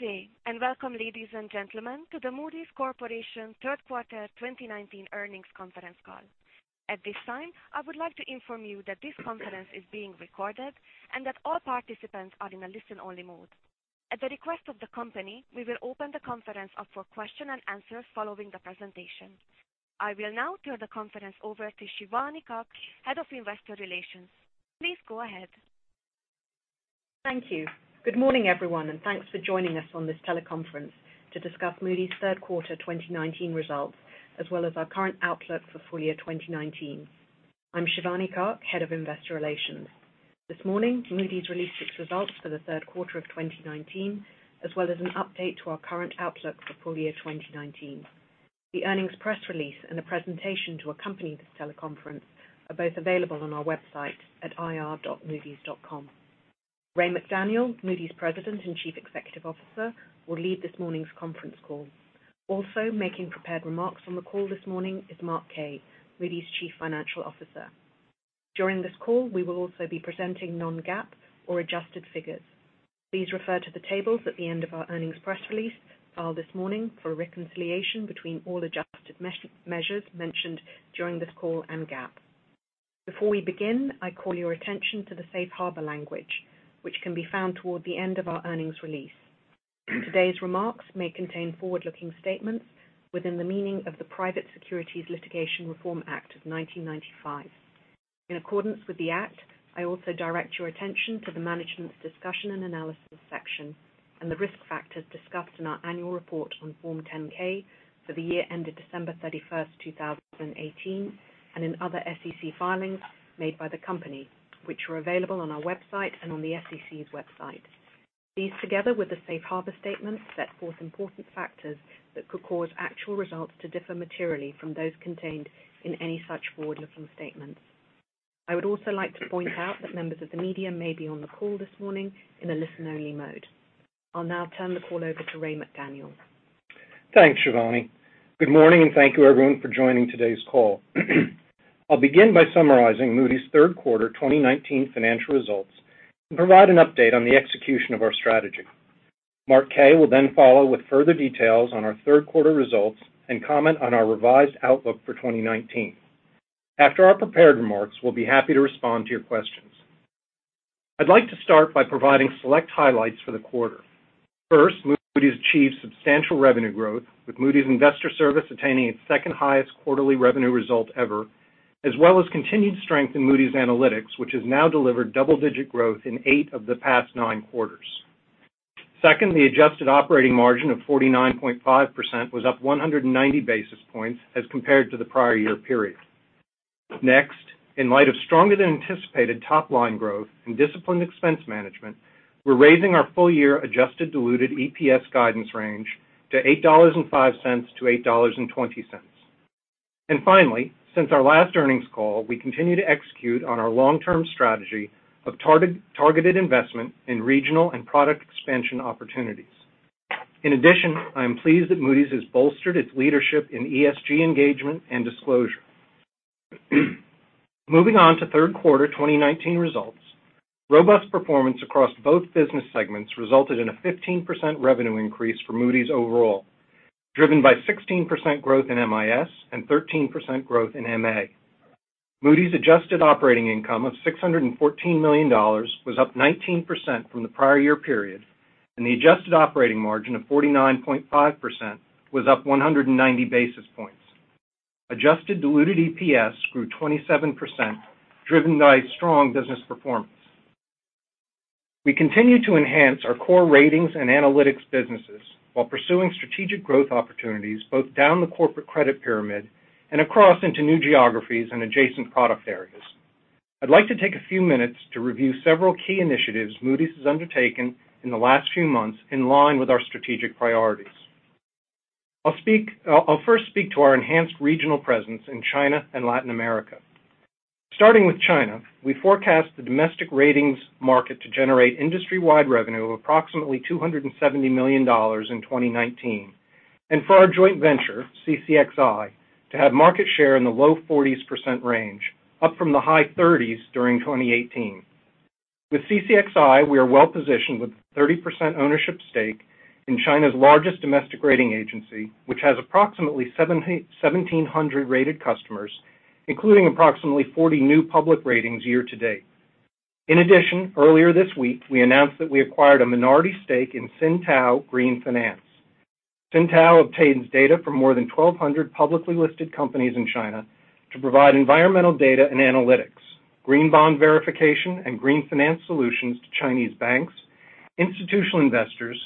Good day, and welcome, ladies and gentlemen, to the Moody's Corporation Third Quarter 2019 Earnings Conference Call. At this time, I would like to inform you that this conference is being recorded and that all participants are in a listen-only mode. At the request of the company, we will open the conference up for question and answers following the presentation. I will now turn the conference over to Shivani Kak, Head of Investor Relations. Please go ahead. Thank you. Good morning, everyone. Thanks for joining us on this teleconference to discuss Moody's third quarter 2019 results, as well as our current outlook for full-year 2019. I'm Shivani Kak, Head of Investor Relations. This morning, Moody's released its results for the third quarter of 2019, as well as an update to our current outlook for full-year 2019. The earnings press release and a presentation to accompany this teleconference are both available on our website at ir.moodys.com. Ray McDaniel, Moody's President and Chief Executive Officer, will lead this morning's conference call. Also making prepared remarks on the call this morning is Mark Kaye, Moody's Chief Financial Officer. During this call, we will also be presenting non-GAAP or adjusted figures. Please refer to the tables at the end of our earnings press release filed this morning for a reconciliation between all adjusted measures mentioned during this call and GAAP. Before we begin, I call your attention to the safe harbor language, which can be found toward the end of our earnings release. Today's remarks may contain forward-looking statements within the meaning of the Private Securities Litigation Reform Act of 1995. In accordance with the act, I also direct your attention to the Management's Discussion and Analysis section and the risk factors discussed in our annual report on Form 10-K for the year ended December 31st, 2018, and in other SEC filings made by the company, which are available on our website and on the SEC's website. These, together with the safe harbor statement, set forth important factors that could cause actual results to differ materially from those contained in any such forward-looking statements. I would also like to point out that members of the media may be on the call this morning in a listen-only mode. I'll now turn the call over to Ray McDaniel. Thanks, Shivani. Good morning. Thank you, everyone, for joining today's call. I'll begin by summarizing Moody's third quarter 2019 financial results and provide an update on the execution of our strategy. Mark Kaye will follow with further details on our third-quarter results and comment on our revised outlook for 2019. After our prepared remarks, we'll be happy to respond to your questions. I'd like to start by providing select highlights for the quarter. First, Moody's achieved substantial revenue growth, with Moody's Investors Service attaining its second highest quarterly revenue result ever, as well as continued strength in Moody's Analytics, which has now delivered double-digit growth in eight of the past nine quarters. Second, the adjusted operating margin of 49.5% was up 190 basis points as compared to the prior year period. Next, in light of stronger than anticipated top-line growth and disciplined expense management, we're raising our full-year adjusted diluted EPS guidance range to $8.05-$8.20. Finally, since our last earnings call, we continue to execute on our long-term strategy of targeted investment in regional and product expansion opportunities. In addition, I am pleased that Moody's has bolstered its leadership in ESG engagement and disclosure. Moving on to third quarter 2019 results, robust performance across both business segments resulted in a 15% revenue increase for Moody's overall, driven by 16% growth in MIS and 13% growth in MA. Moody's adjusted operating income of $614 million was up 19% from the prior-year period, and the adjusted operating margin of 49.5% was up 190 basis points. Adjusted diluted EPS grew 27%, driven by strong business performance. We continue to enhance our core ratings and analytics businesses while pursuing strategic growth opportunities both down the corporate credit pyramid and across into new geographies and adjacent product areas. I'd like to take a few minutes to review several key initiatives Moody's has undertaken in the last few months in line with our strategic priorities. I'll first speak to our enhanced regional presence in China and Latin America. Starting with China, we forecast the domestic ratings market to generate industry-wide revenue of approximately $270 million in 2019. For our joint venture, CCXI, to have market share in the low 40s% range, up from the high 30s during 2018. With CCXI, we are well positioned with 30% ownership stake in China's largest domestic rating agency, which has approximately 1,700 rated customers, including approximately 40 new public ratings year to date. In addition, earlier this week, we announced that we acquired a minority stake in SynTao Green Finance. SynTao obtains data from more than 1,200 publicly listed companies in China to provide environmental data and analytics, green bond verification, and green finance solutions to Chinese banks, institutional investors,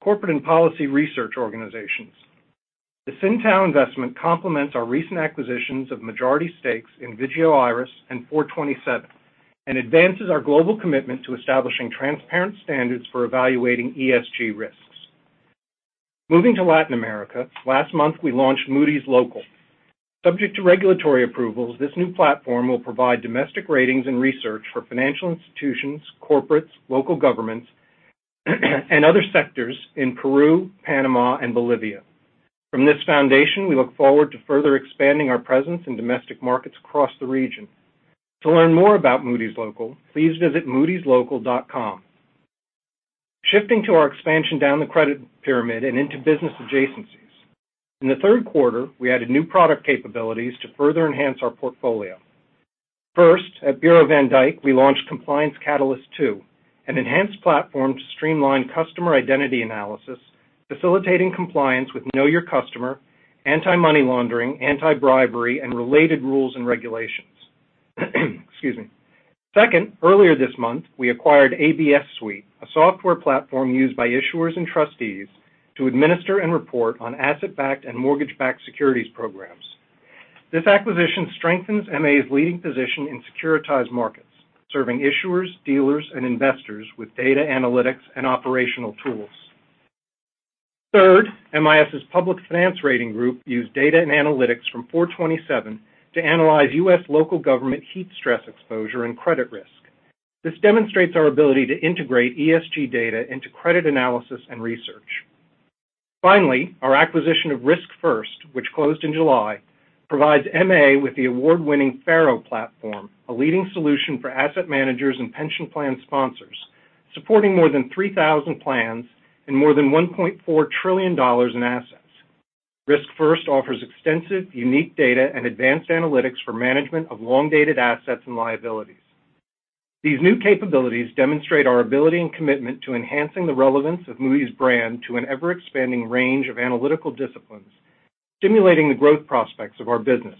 corporate and policy research organizations. The SynTao investment complements our recent acquisitions of majority stakes in Vigeo Eiris and Four Twenty Seven and advances our global commitment to establishing transparent standards for evaluating ESG risks. Moving to Latin America, last month, we launched Moody's Local. Subject to regulatory approvals, this new platform will provide domestic ratings and research for financial institutions, corporates, local governments, and other sectors in Peru, Panama, and Bolivia. From this foundation, we look forward to further expanding our presence in domestic markets across the region. To learn more about Moody's Local, please visit moodyslocal.com. Shifting to our expansion down the credit pyramid and into business adjacencies. In the third quarter, we added new product capabilities to further enhance our portfolio. First, at Bureau van Dijk, we launched Compliance Catalyst 2.0, an enhanced platform to streamline customer identity analysis, facilitating compliance with Know Your Customer, anti-money laundering, anti-bribery, and related rules and regulations. Excuse me. Second, earlier this month, we acquired ABS Suite, a software platform used by issuers and trustees to administer and report on asset-backed and mortgage-backed securities programs. This acquisition strengthens MA's leading position in securitized markets, serving issuers, dealers, and investors with data analytics and operational tools. Third, MIS' Public Finance Rating group used data and analytics from Four Twenty Seven to analyze U.S. local government heat stress exposure and credit risk. This demonstrates our ability to integrate ESG data into credit analysis and research. Finally, our acquisition of RiskFirst, which closed in July, provides MA with the award-winning PFaroe platform, a leading solution for asset managers and pension plan sponsors, supporting more than 3,000 plans and more than $1.4 trillion in assets. RiskFirst offers extensive, unique data and advanced analytics for management of long-dated assets and liabilities. These new capabilities demonstrate our ability and commitment to enhancing the relevance of Moody's brand to an ever-expanding range of analytical disciplines, stimulating the growth prospects of our business.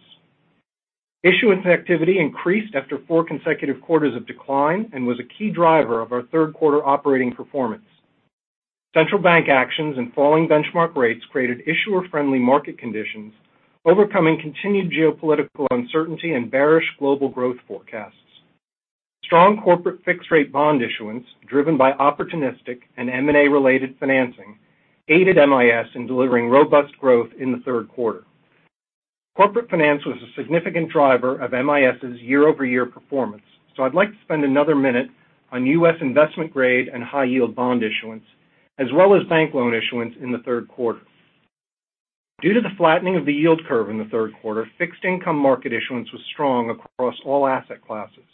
Issuance activity increased after four consecutive quarters of decline and was a key driver of our third quarter operating performance. Central bank actions and falling benchmark rates created issuer-friendly market conditions, overcoming continued geopolitical uncertainty and bearish global growth forecasts. Strong corporate fixed rate bond issuance, driven by opportunistic and M&A-related financing, aided MIS in delivering robust growth in the third quarter. Corporate finance was a significant driver of MIS' year-over-year performance. I'd like to spend another minute on U.S. investment grade and high yield bond issuance, as well as bank loan issuance in the third quarter. Due to the flattening of the yield curve in the third quarter, fixed income market issuance was strong across all asset classes.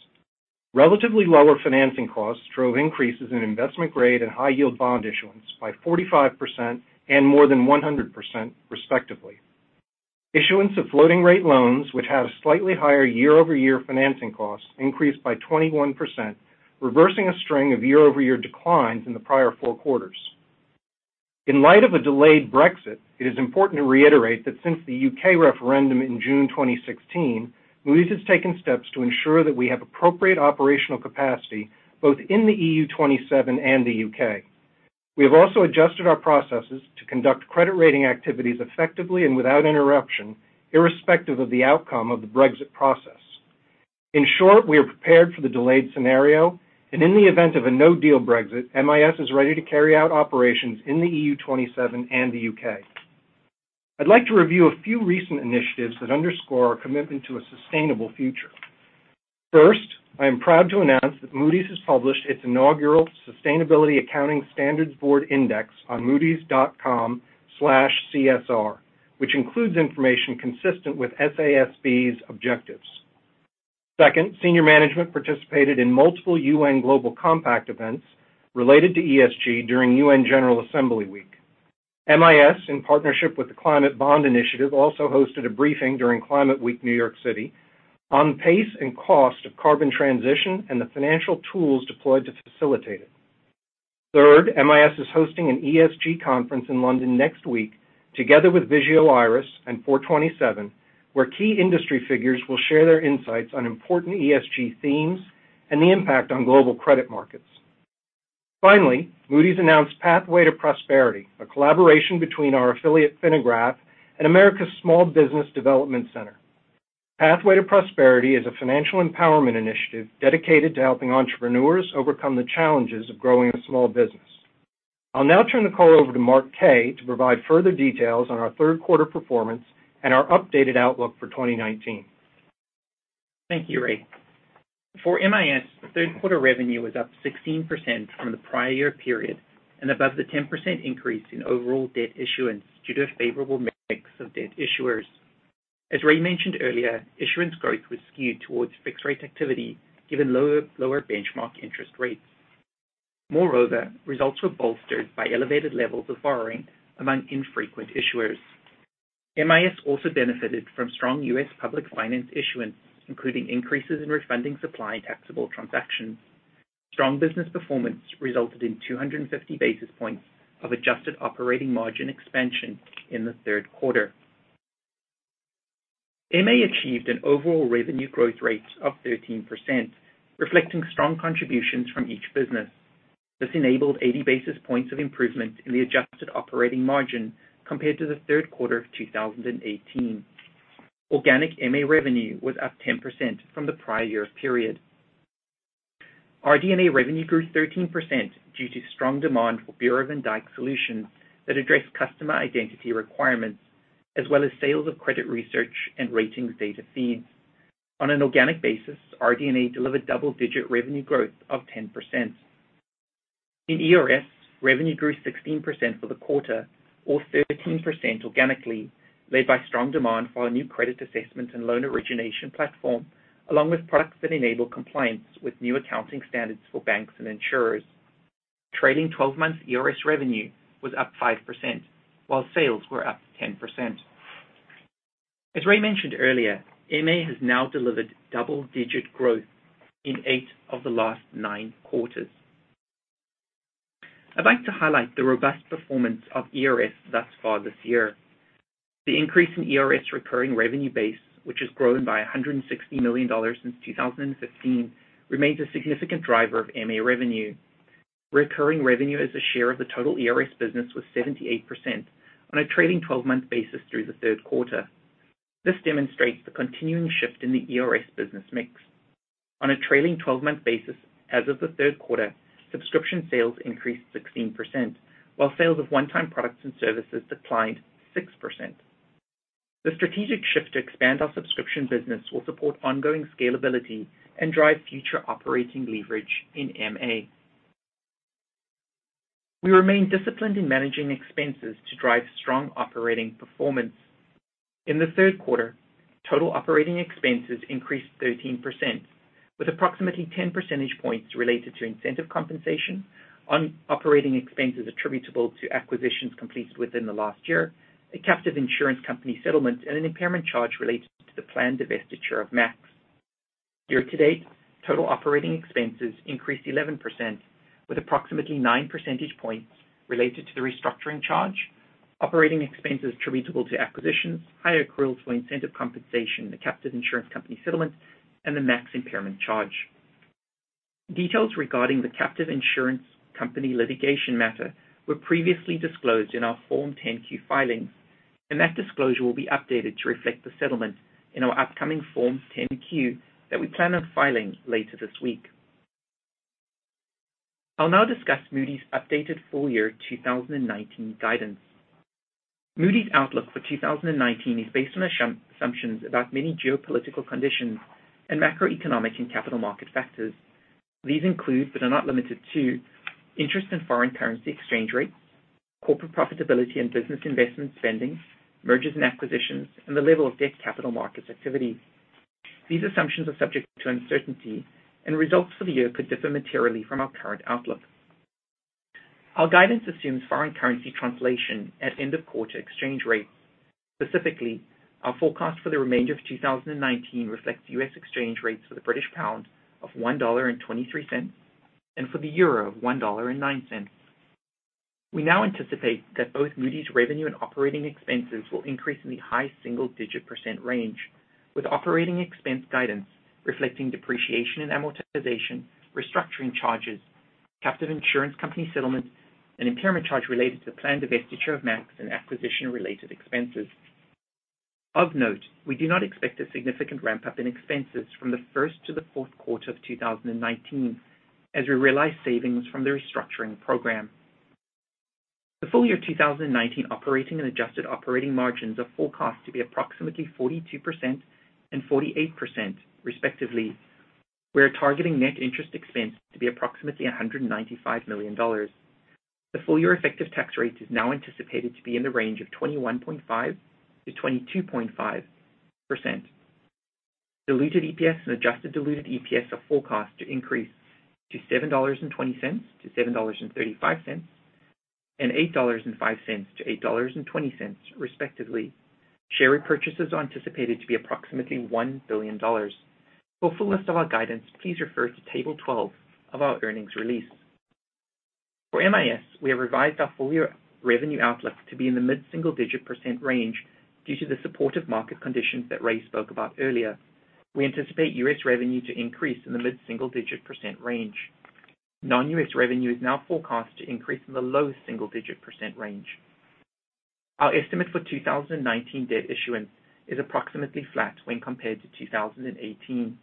Relatively lower financing costs drove increases in investment grade and high yield bond issuance by 45% and more than 100%, respectively. Issuance of floating rate loans, which have slightly higher year-over-year financing costs, increased by 21%, reversing a string of year-over-year declines in the prior four quarters. In light of a delayed Brexit, it is important to reiterate that since the U.K. referendum in June 2016, Moody's has taken steps to ensure that we have appropriate operational capacity both in the EU 27 and the U.K. We have also adjusted our processes to conduct credit rating activities effectively and without interruption, irrespective of the outcome of the Brexit process. In short, we are prepared for the delayed scenario, and in the event of a no-deal Brexit, MIS is ready to carry out operations in the EU 27 and the U.K. I'd like to review a few recent initiatives that underscore our commitment to a sustainable future. First, I am proud to announce that Moody's has published its inaugural Sustainability Accounting Standards Board index on moodys.com/csr, which includes information consistent with SASB's objectives. Second, senior management participated in multiple UN Global Compact events related to ESG during UN General Assembly week. MIS, in partnership with the Climate Bond Initiative, also hosted a briefing during Climate Week New York City on pace and cost of carbon transition and the financial tools deployed to facilitate it. Third, MIS is hosting an ESG conference in London next week together with Vigeo Eiris and Four Twenty Seven, where key industry figures will share their insights on important ESG themes and the impact on global credit markets. Finally, Moody's announced Pathway to Prosperity, a collaboration between our affiliate Finagraph and America's Small Business Development Center. Pathway to Prosperity is a financial empowerment initiative dedicated to helping entrepreneurs overcome the challenges of growing a small business. I'll now turn the call over to Mark Kaye to provide further details on our third quarter performance and our updated outlook for 2019. Thank you, Ray. For MIS, third quarter revenue was up 16% from the prior year period and above the 10% increase in overall debt issuance due to a favorable mix of debt issuers. As Ray mentioned earlier, issuance growth was skewed towards fixed rate activity given lower benchmark interest rates. Moreover, results were bolstered by elevated levels of borrowing among infrequent issuers. MIS also benefited from strong U.S. public finance issuance, including increases in refunding supply and taxable transactions. Strong business performance resulted in 250 basis points of adjusted operating margin expansion in the third quarter. MA achieved an overall revenue growth rate of 13%, reflecting strong contributions from each business. This enabled 80 basis points of improvement in the adjusted operating margin compared to the third quarter of 2018. Organic MA revenue was up 10% from the prior year period. RD&A revenue grew 13% due to strong demand for Bureau van Dijk solutions that address customer identity requirements as well as sales of credit research and ratings data feeds. On an organic basis, RD&A delivered double-digit revenue growth of 10%. In ERS, revenue grew 16% for the quarter or 13% organically, led by strong demand for our new credit assessment and loan origination platform, along with products that enable compliance with new accounting standards for banks and insurers. Trading 12 months ERS revenue was up 5%, while sales were up 10%. As Ray mentioned earlier, MA has now delivered double-digit growth in eight of the last nine quarters. I'd like to highlight the robust performance of ERS thus far this year. The increase in ERS recurring revenue base, which has grown by $160 million since 2015, remains a significant driver of MA revenue. Recurring revenue as a share of the total ERS business was 78% on a trailing 12-month basis through the third quarter. This demonstrates the continuing shift in the ERS business mix. On a trailing 12-month basis as of the third quarter, subscription sales increased 16%, while sales of one-time products and services declined 6%. The strategic shift to expand our subscription business will support ongoing scalability and drive future operating leverage in MA. We remain disciplined in managing expenses to drive strong operating performance. In the third quarter, total operating expenses increased 13%, with approximately 10 percentage points related to incentive compensation on operating expenses attributable to acquisitions completed within the last year, a captive insurance company settlement, and an impairment charge related to the planned divestiture of MAKS. Year-to-date, total operating expenses increased 11%, with approximately 9 percentage points related to the restructuring charge, operating expenses attributable to acquisitions, high accruals for incentive compensation, the captive insurance company settlement, and the MAKS impairment charge. Details regarding the captive insurance company litigation matter were previously disclosed in our Form 10-Q filings, and that disclosure will be updated to reflect the settlement in our upcoming Form 10-Q that we plan on filing later this week. I'll now discuss Moody's updated full-year 2019 guidance. Moody's outlook for 2019 is based on assumptions about many geopolitical conditions and macroeconomic and capital market factors. These include, but are not limited to, interest and foreign currency exchange rates, corporate profitability and business investment spending, mergers and acquisitions, and the level of debt capital markets activity. These assumptions are subject to uncertainty, and results for the year could differ materially from our current outlook. Our guidance assumes foreign currency translation at end-of-quarter exchange rates. Specifically, our forecast for the remainder of 2019 reflects U.S. exchange rates for the British pound of $1.23 and for the euro of $1.09. We now anticipate that both Moody's revenue and operating expenses will increase in the high single-digit % range, with operating expense guidance reflecting depreciation and amortization, restructuring charges, captive insurance company settlements, an impairment charge related to the planned divestiture of MAKS, and acquisition-related expenses. Of note, we do not expect a significant ramp-up in expenses from the first to the fourth quarter of 2019, as we realize savings from the restructuring program. The full-year 2019 operating and adjusted operating margins are forecast to be approximately 42% and 48%, respectively. We are targeting net interest expense to be approximately $195 million. The full-year effective tax rate is now anticipated to be in the range of 21.5%-22.5%. Diluted EPS and adjusted diluted EPS are forecast to increase to $7.20-$7.35 and $8.05-$8.20, respectively. Share repurchases are anticipated to be approximately $1 billion. For a full list of our guidance, please refer to Table 12 of our earnings release. For MIS, we have revised our full-year revenue outlook to be in the mid-single-digit percent range due to the supportive market conditions that Ray spoke about earlier. We anticipate U.S. revenue to increase in the mid-single-digit percent range. Non-U.S. revenue is now forecast to increase in the low single-digit percent range. Our estimate for 2019 debt issuance is approximately flat when compared to 2018.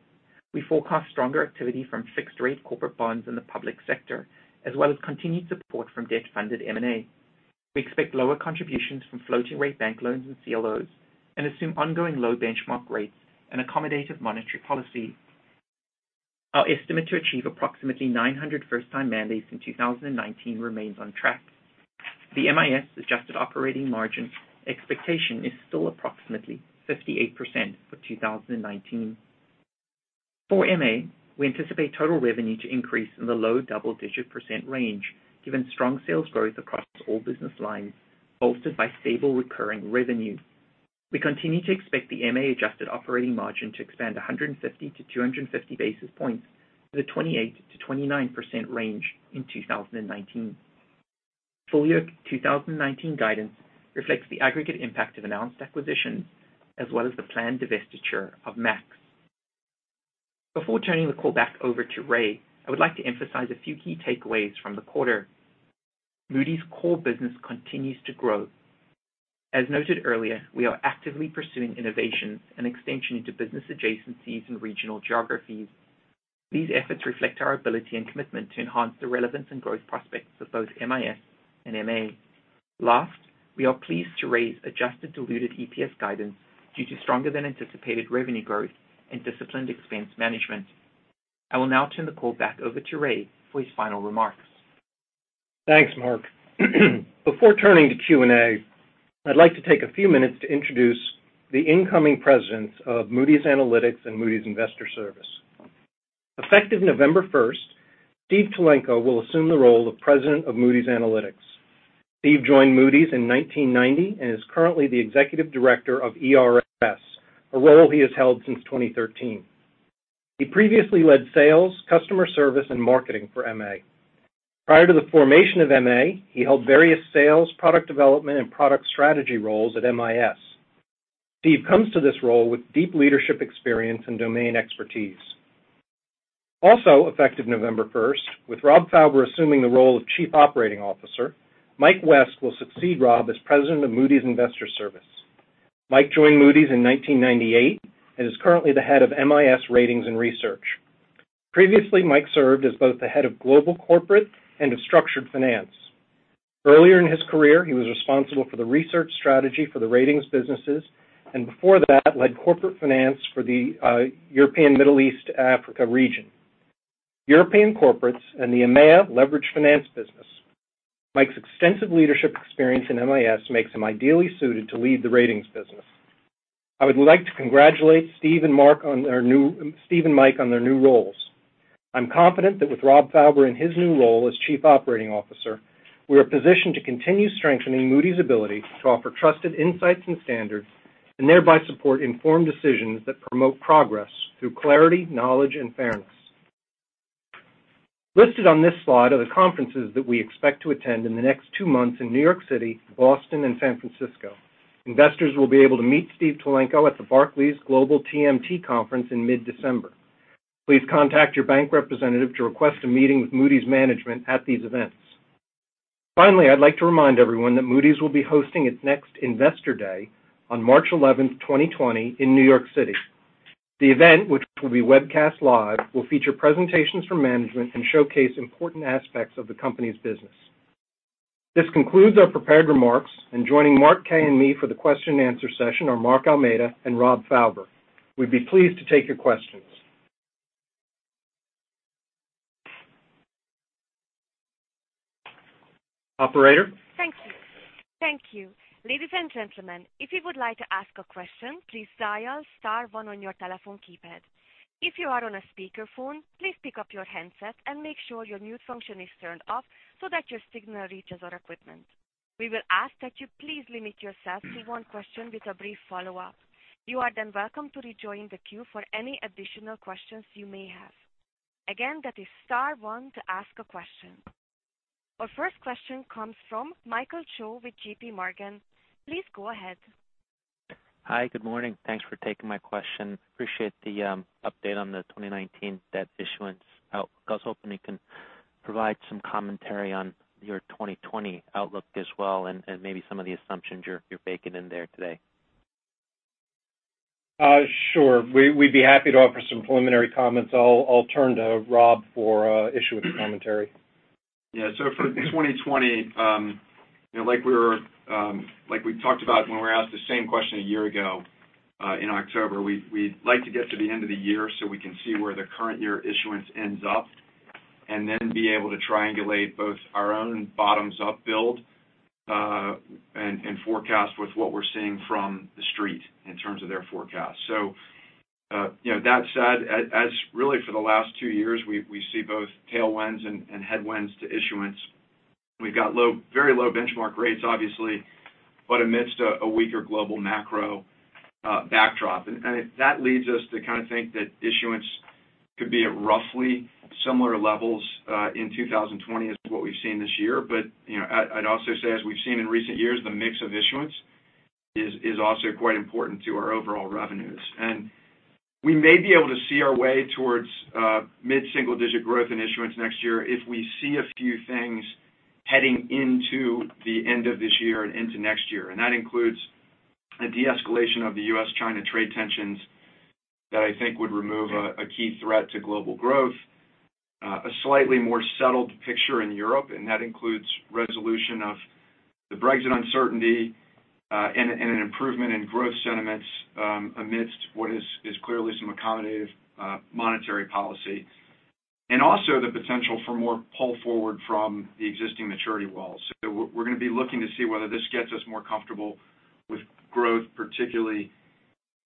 We forecast stronger activity from fixed-rate corporate bonds in the public sector, as well as continued support from debt-funded M&A. We expect lower contributions from floating rate bank loans and CLOs and assume ongoing low benchmark rates and accommodative monetary policy. Our estimate to achieve approximately 900 first-time mandates in 2019 remains on track. The MIS adjusted operating margin expectation is still approximately 58% for 2019. For MA, we anticipate total revenue to increase in the low double-digit percent range given strong sales growth across all business lines, bolstered by stable recurring revenue. We continue to expect the MA adjusted operating margin to expand 150 to 250 basis points to the 28%-29% range in 2019. Full-year 2019 guidance reflects the aggregate impact of announced acquisitions as well as the planned divestiture of MAKS. Before turning the call back over to Ray, I would like to emphasize a few key takeaways from the quarter. Moody's core business continues to grow. As noted earlier, we are actively pursuing innovations and extension into business adjacencies and regional geographies. These efforts reflect our ability and commitment to enhance the relevance and growth prospects of both MIS and MA. We are pleased to raise adjusted diluted EPS guidance due to stronger than anticipated revenue growth and disciplined expense management. I will now turn the call back over to Ray for his final remarks. Thanks, Mark. Before turning to Q&A, I'd like to take a few minutes to introduce the incoming Presidents of Moody's Analytics and Moody's Investors Service. Effective November 1st, Steve Tulenko will assume the role of President of Moody's Analytics. Steve joined Moody's in 1990 and is currently the Executive Director of ERS, a role he has held since 2013. He previously led sales, customer service, and marketing for MA. Prior to the formation of MA, he held various sales, product development, and product strategy roles at MIS. Steve comes to this role with deep leadership experience and domain expertise. Effective November 1st, with Rob Fauber assuming the role of Chief Operating Officer, Mike West will succeed Rob as President of Moody's Investors Service. Mike joined Moody's in 1998 and is currently the head of MIS Ratings and Research. Previously, Mike served as both the Head of Global Corporate and of Structured Finance. Earlier in his career, he was responsible for the research strategy for the ratings businesses, and before that, led Corporate Finance for the Europe, the Middle East, and Africa region, European Corporates, and the EMEA Leveraged Finance business. Mike's extensive leadership experience in MIS makes him ideally suited to lead the ratings business. I would like to congratulate Steve and Mike on their new roles. I'm confident that with Rob Fauber in his new role as Chief Operating Officer, we are positioned to continue strengthening Moody's ability to offer trusted insights and standards, and thereby support informed decisions that promote progress through clarity, knowledge, and fairness. Listed on this slide are the conferences that we expect to attend in the next two months in New York City, Boston, and San Francisco. Investors will be able to meet Steve Tulenko at the Barclays Global TMT conference in mid-December. Please contact your bank representative to request a meeting with Moody's management at these events. Finally, I'd like to remind everyone that Moody's will be hosting its next Investor Day on March 11th, 2020 in New York City. The event, which will be webcast live, will feature presentations from management and showcase important aspects of the company's business. This concludes our prepared remarks, joining Mark Kaye and me for the question and answer session are Mark Almeida and Rob Fauber. We'd be pleased to take your questions. Operator? Thank you. Ladies and gentlemen, if you would like to ask a question, please dial star one on your telephone keypad. If you are on a speakerphone, please pick up your handset and make sure your mute function is turned off so that your signal reaches our equipment. We will ask that you please limit yourself to one question with a brief follow-up. You are welcome to rejoin the queue for any additional questions you may have. Again, that is star one to ask a question. Our first question comes from Michael Cho with JPMorgan. Please go ahead. Hi, good morning. Thanks for taking my question. Appreciate the update on the 2019 debt issuance outlook. I was hoping you can provide some commentary on your 2020 outlook as well and maybe some of the assumptions you're baking in there today. Sure. We'd be happy to offer some preliminary comments. I'll turn to Rob for issuance commentary. Yeah. For 2020, like we talked about when we were asked the same question a year ago, in October, we like to get to the end of the year so we can see where the current year issuance ends up and then be able to triangulate both our own bottoms-up build, and forecast with what we're seeing from The Street in terms of their forecast. That said, as really for the last two years, we see both tailwinds and headwinds to issuance. We've got very low benchmark rates, obviously, but amidst a weaker global macro backdrop. That leads us to think that issuance could be at roughly similar levels, in 2020 as what we've seen this year. I'd also say, as we've seen in recent years, the mix of issuance is also quite important to our overall revenues. We may be able to see our way towards mid-single-digit growth in issuance next year if we see a few things heading into the end of this year and into next year. That includes a de-escalation of the U.S.-China trade tensions that I think would remove a key threat to global growth, a slightly more settled picture in Europe, and that includes resolution of the Brexit uncertainty, and an improvement in growth sentiments amidst what is clearly some accommodative monetary policy. Also the potential for more pull forward from the existing maturity walls. We're going to be looking to see whether this gets us more comfortable with growth, particularly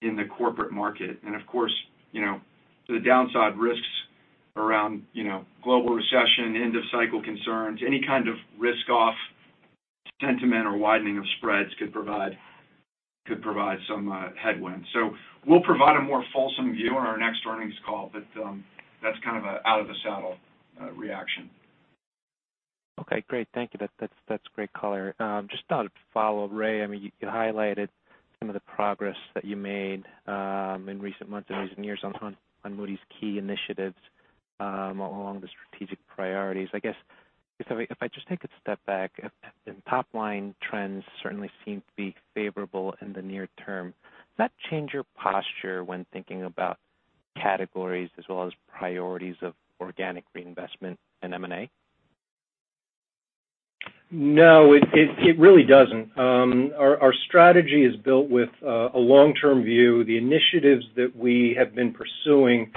in the corporate market. Of course, to the downside risks around global recession, end-of-cycle concerns, any kind of risk-off sentiment or widening of spreads could provide some headwinds. We'll provide a more fulsome view on our next earnings call, but that's kind of an out of the saddle reaction. Okay, great. Thank you. That's great color. Just thought I'd follow, Ray, you highlighted some of the progress that you made in recent months and recent years on Moody's key initiatives along the strategic priorities. I guess if I just take a step back, and top-line trends certainly seem to be favorable in the near term. Does that change your posture when thinking about categories as well as priorities of organic reinvestment and M&A? No, it really doesn't. Our strategy is built with a long-term view. The initiatives that we have been pursuing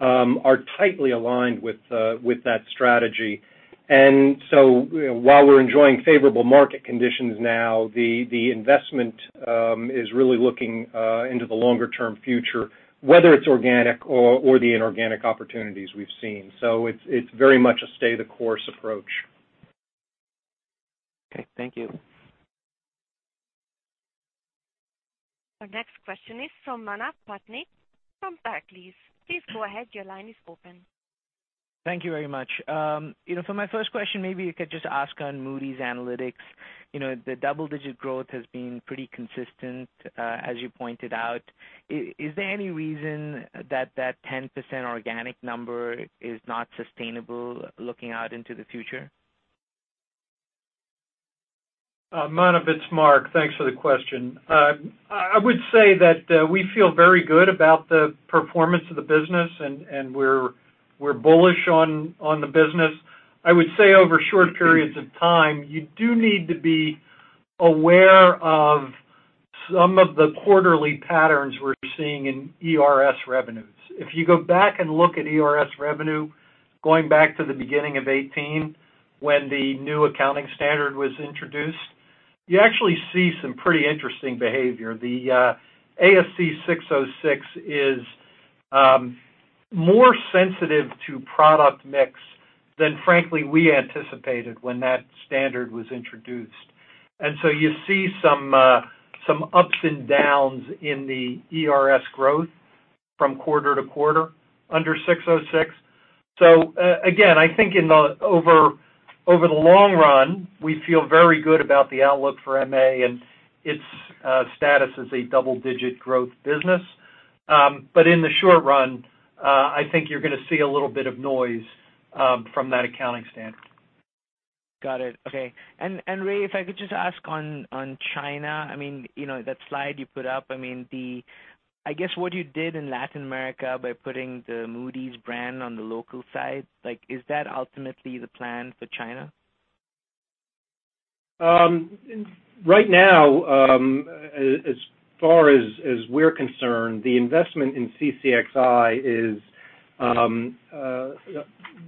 are tightly aligned with that strategy. While we're enjoying favorable market conditions now, the investment is really looking into the longer-term future, whether it's organic or the inorganic opportunities we've seen. It's very much a stay-the-course approach. Okay, thank you. Our next question is from Manav Patnaik from Barclays. Please go ahead. Your line is open. Thank you very much. For my first question, maybe you could just ask on Moody's Analytics. The double-digit growth has been pretty consistent, as you pointed out. Is there any reason that that 10% organic number is not sustainable looking out into the future? Manav, it's Mark. Thanks for the question. I would say that we feel very good about the performance of the business, and we're bullish on the business. I would say over short periods of time, you do need to be aware of some of the quarterly patterns we're seeing in ERS revenues. If you go back and look at ERS revenue going back to the beginning of 2018, when the new accounting standard was introduced, you actually see some pretty interesting behavior. The ASC 606 is more sensitive to product mix than frankly we anticipated when that standard was introduced. You see some ups and downs in the ERS growth from quarter to quarter under ASC 606. Again, I think over the long run, we feel very good about the outlook for MA and its status as a double-digit growth business. In the short run, I think you're going to see a little bit of noise from that accounting standard. Got it. Okay. Ray, if I could just ask on China. That slide you put up, I guess what you did in Latin America by putting the Moody's brand on the local side, is that ultimately the plan for China? Right now, as far as we're concerned, the investment in CCXI is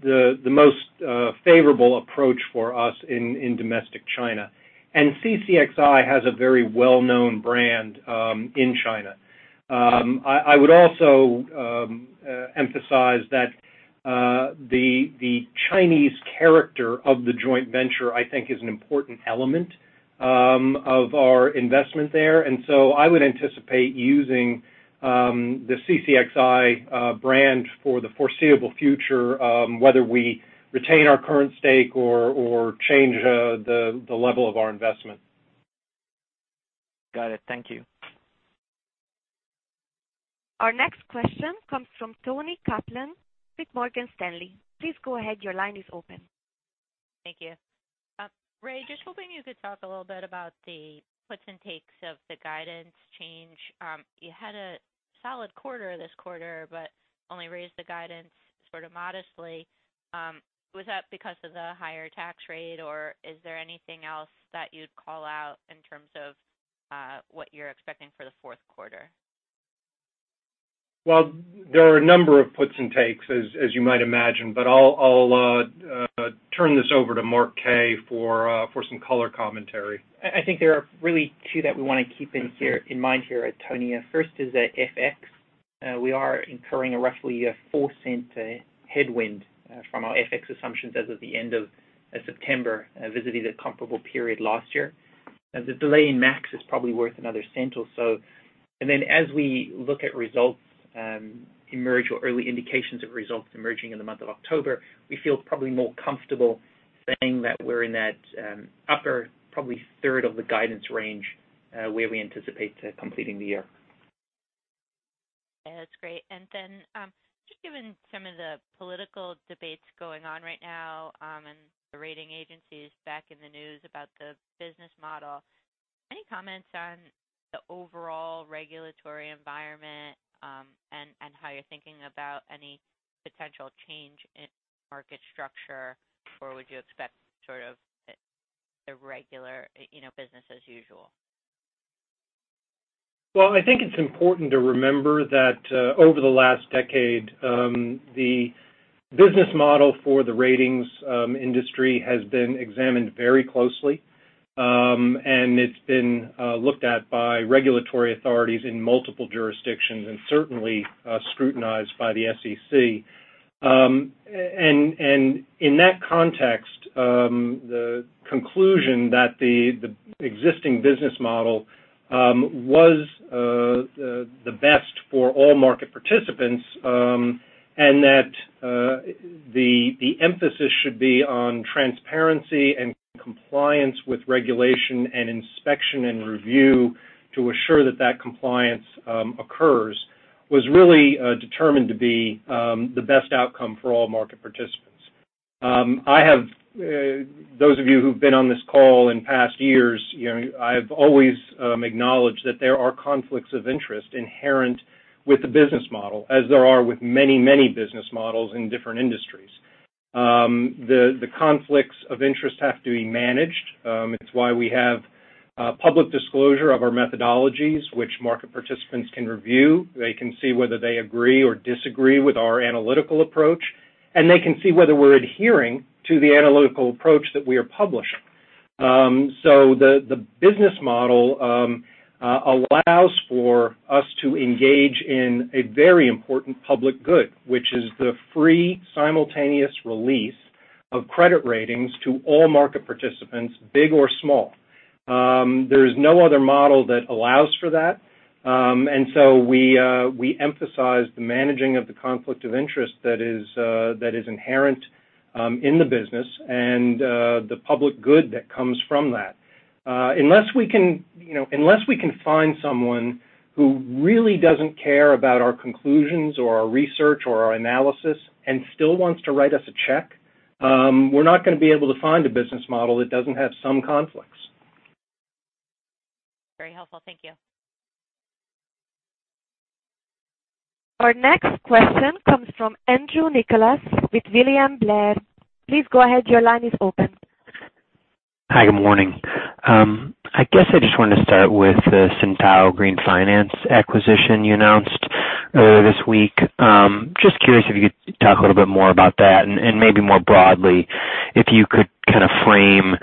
the most favorable approach for us in domestic China. CCXI has a very well-known brand in China. I would also emphasize that the Chinese character of the joint venture, I think is an important element of our investment there. I would anticipate using the CCXI brand for the foreseeable future, whether we retain our current stake or change the level of our investment. Got it. Thank you. Our next question comes from Toni Kaplan with Morgan Stanley. Please go ahead. Your line is open. Thank you. Ray, just hoping you could talk a little bit about the puts and takes of the guidance change. You had a solid quarter this quarter but only raised the guidance sort of modestly. Was that because of the higher tax rate, or is there anything else that you'd call out in terms of what you're expecting for the fourth quarter? There are a number of puts and takes, as you might imagine, but I'll turn this over to Mark K. for some color commentary. I think there are really two that we want to keep in mind here, Toni. First is that FX. We are incurring a roughly a $0.04 headwind from our FX assumptions as of the end of September vis-a-vis the comparable period last year. The delay in MAKS is probably worth another $0.01 or so. As we look at results emerge or early indications of results emerging in the month of October, we feel probably more comfortable saying that we're in that upper probably third of the guidance range, where we anticipate completing the year. That's great. Given some of the political debates going on right now and the rating agencies back in the news about the business model, any comments on the overall regulatory environment and how you're thinking about any potential change in market structure? Would you expect sort of the regular business as usual? Well, I think it's important to remember that over the last decade, the business model for the ratings industry has been examined very closely. It's been looked at by regulatory authorities in multiple jurisdictions and certainly scrutinized by the SEC. In that context, the conclusion that the existing business model was the best for all market participants and that the emphasis should be on transparency and compliance with regulation and inspection and review to assure that that compliance occurs was really determined to be the best outcome for all market participants. Those of you who've been on this call in past years, I've always acknowledged that there are conflicts of interest inherent with the business model, as there are with many business models in different industries. The conflicts of interest have to be managed. It's why we have public disclosure of our methodologies, which market participants can review. They can see whether they agree or disagree with our analytical approach, and they can see whether we're adhering to the analytical approach that we are publishing. The business model allows for us to engage in a very important public good, which is the free simultaneous release of credit ratings to all market participants, big or small. There is no other model that allows for that. We emphasize the managing of the conflict of interest that is inherent in the business and the public good that comes from that. Unless we can find someone who really doesn't care about our conclusions or our research or our analysis and still wants to write us a check, we're not going to be able to find a business model that doesn't have some conflicts. Very helpful. Thank you. Our next question comes from Andrew Nicholas with William Blair. Please go ahead. Your line is open. Hi. Good morning. I guess I just wanted to start with the SynTao Green Finance acquisition you announced earlier this week. Just curious if you could talk a little bit more about that and maybe more broadly, if you could kind of frame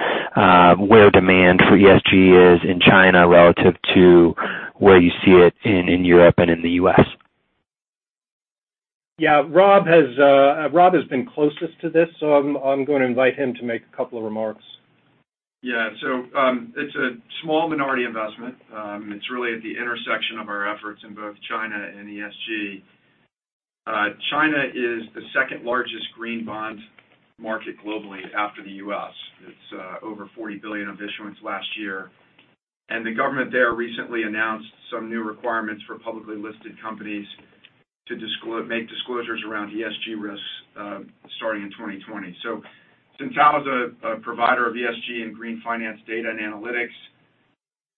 where demand for ESG is in China relative to where you see it in Europe and in the U.S. Yeah, Rob has been closest to this. I'm going to invite him to make a couple of remarks. Yeah. It's a small minority investment. It's really at the intersection of our efforts in both China and ESG. China is the second largest green bond market globally after the U.S. It's over 40 billion of issuance last year. The government there recently announced some new requirements for publicly listed companies to make disclosures around ESG risks starting in 2020. SynTao is a provider of ESG and green finance data and analytics.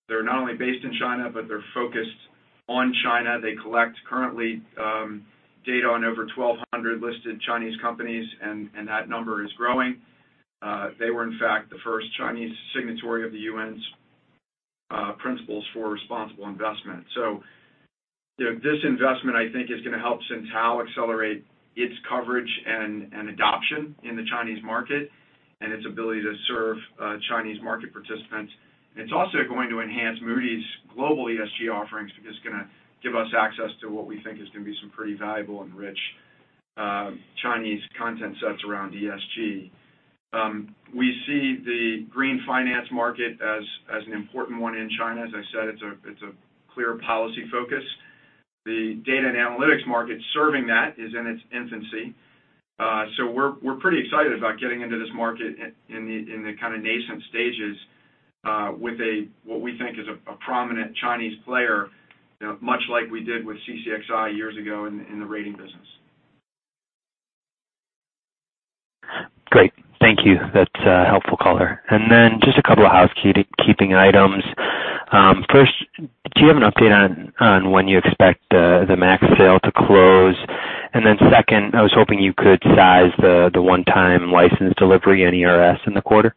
They're not only based in China, but they're focused on China. They collect currently data on over 1,200 listed Chinese companies, and that number is growing. They were in fact the first Chinese signatory of the UN's Principles for Responsible Investment. This investment, I think, is going to help SynTao accelerate its coverage and adoption in the Chinese market and its ability to serve Chinese market participants. It's also going to enhance Moody's global ESG offerings because it's going to give us access to what we think is going to be some pretty valuable and rich Chinese content sets around ESG. We see the green finance market as an important one in China. As I said, it's a clear policy focus. The data and analytics market serving that is in its infancy. We're pretty excited about getting into this market in the kind of nascent stages with what we think is a prominent Chinese player, much like we did with CCXI years ago in the rating business. Great. Thank you. That's a helpful color. Then just a couple of housekeeping items. First, do you have an update on when you expect the MAKS sale to close? Then second, I was hoping you could size the one-time license delivery in ERS in the quarter.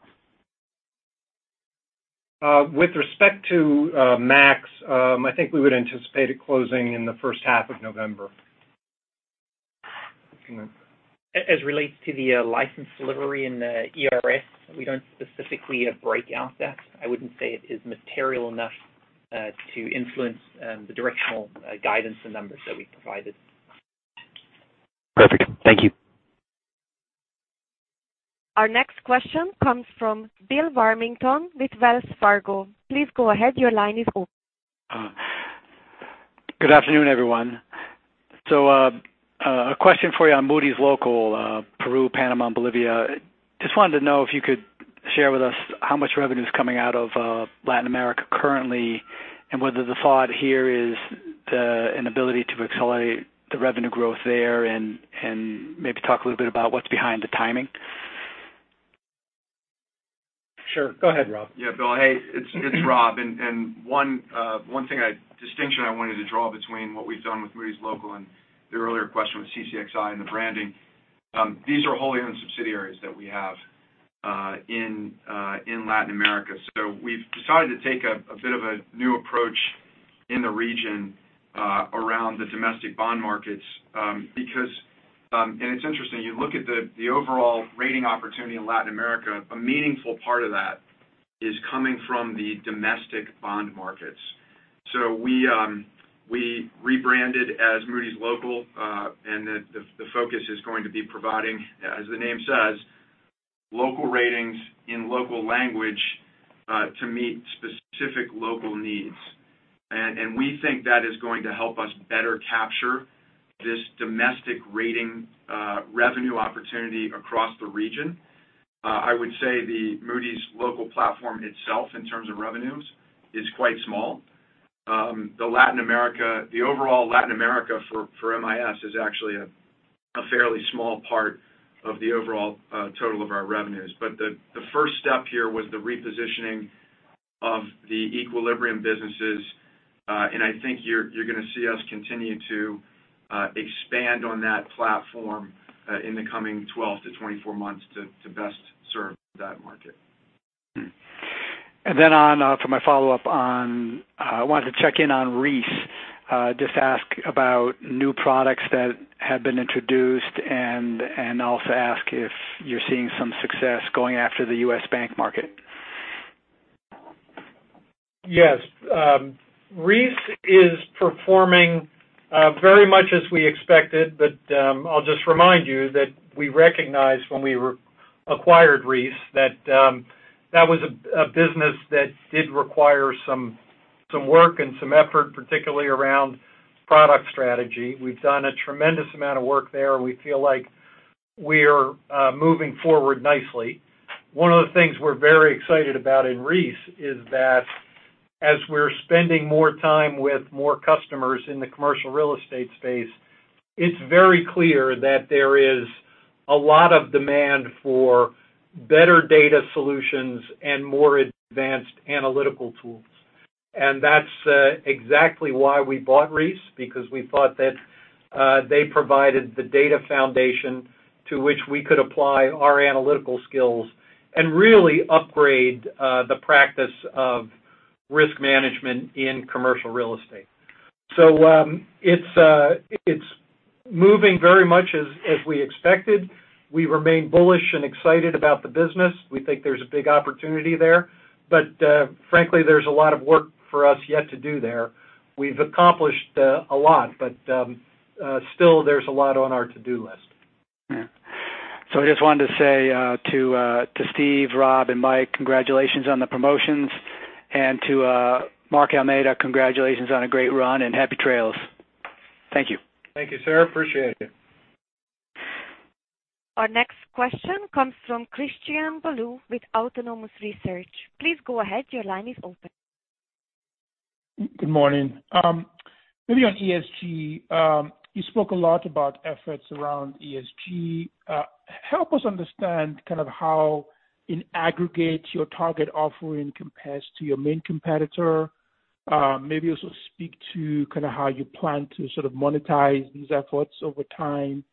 With respect to MAKS, I think we would anticipate it closing in the first half of November. It relates to the license delivery in the ERS, we don't specifically break out that. I wouldn't say it is material enough to influence the directional guidance and numbers that we provided. Perfect. Thank you. Our next question comes from Bill Warmington with Wells Fargo. Please go ahead. Your line is open. Good afternoon, everyone. A question for you on Moody's Local, Peru, Panama, and Bolivia. Just wanted to know if you could share with us how much revenue is coming out of Latin America currently and whether the thought here is an ability to accelerate the revenue growth there and maybe talk a little bit about what's behind the timing. Sure. Go ahead, Rob. Yeah, Bill. Hey, it's Rob. One distinction I wanted to draw between what we've done with Moody's local and your earlier question with CCXI and the branding. These are wholly owned subsidiaries that we have in Latin America. We've decided to take a bit of a new approach in the region around the domestic bond markets because, and it's interesting, you look at the overall rating opportunity in Latin America, a meaningful part of that is coming from the domestic bond markets. We rebranded as Moody's Local, and the focus is going to be providing, as the name says, local ratings in local language to meet specific local needs. We think that is going to help us better capture this domestic rating revenue opportunity across the region. I would say the Moody's Local platform itself, in terms of revenues, is quite small. The overall Latin America for MIS is actually a fairly small part of the overall total of our revenues. The first step here was the repositioning of the Equilibrium businesses. I think you're going to see us continue to expand on that platform in the coming 12 to 24 months to best serve that market. For my follow-up on I wanted to check in on Reis. Just ask about new products that have been introduced and also ask if you're seeing some success going after the U.S. bank market. Yes. Reis is performing very much as we expected, but I'll just remind you that we recognized when we acquired Reis, that that was a business that did require some work and some effort, particularly around product strategy. We've done a tremendous amount of work there, and we feel like we're moving forward nicely. One of the things we're very excited about in Reis is that as we're spending more time with more customers in the commercial real estate space, it's very clear that there is a lot of demand for better data solutions and more advanced analytical tools. That's exactly why we bought Reis, because we thought that they provided the data foundation to which we could apply our analytical skills and really upgrade the practice of risk management in commercial real estate. It's moving very much as we expected. We remain bullish and excited about the business. We think there's a big opportunity there. Frankly, there's a lot of work for us yet to do there. We've accomplished a lot, but still, there's a lot on our to-do list. I just wanted to say to Steve, Rob and Mike, congratulations on the promotions, and to Mark Almeida, congratulations on a great run, and happy trails. Thank you. Thank you, sir. Appreciate it. Our next question comes from Christian Bolu with Autonomous Research. Please go ahead. Your line is open. Good morning. Maybe on ESG. You spoke a lot about efforts around ESG. Help us understand how in aggregate your target offering compares to your main competitor. Maybe also speak to how you plan to monetize these efforts over time.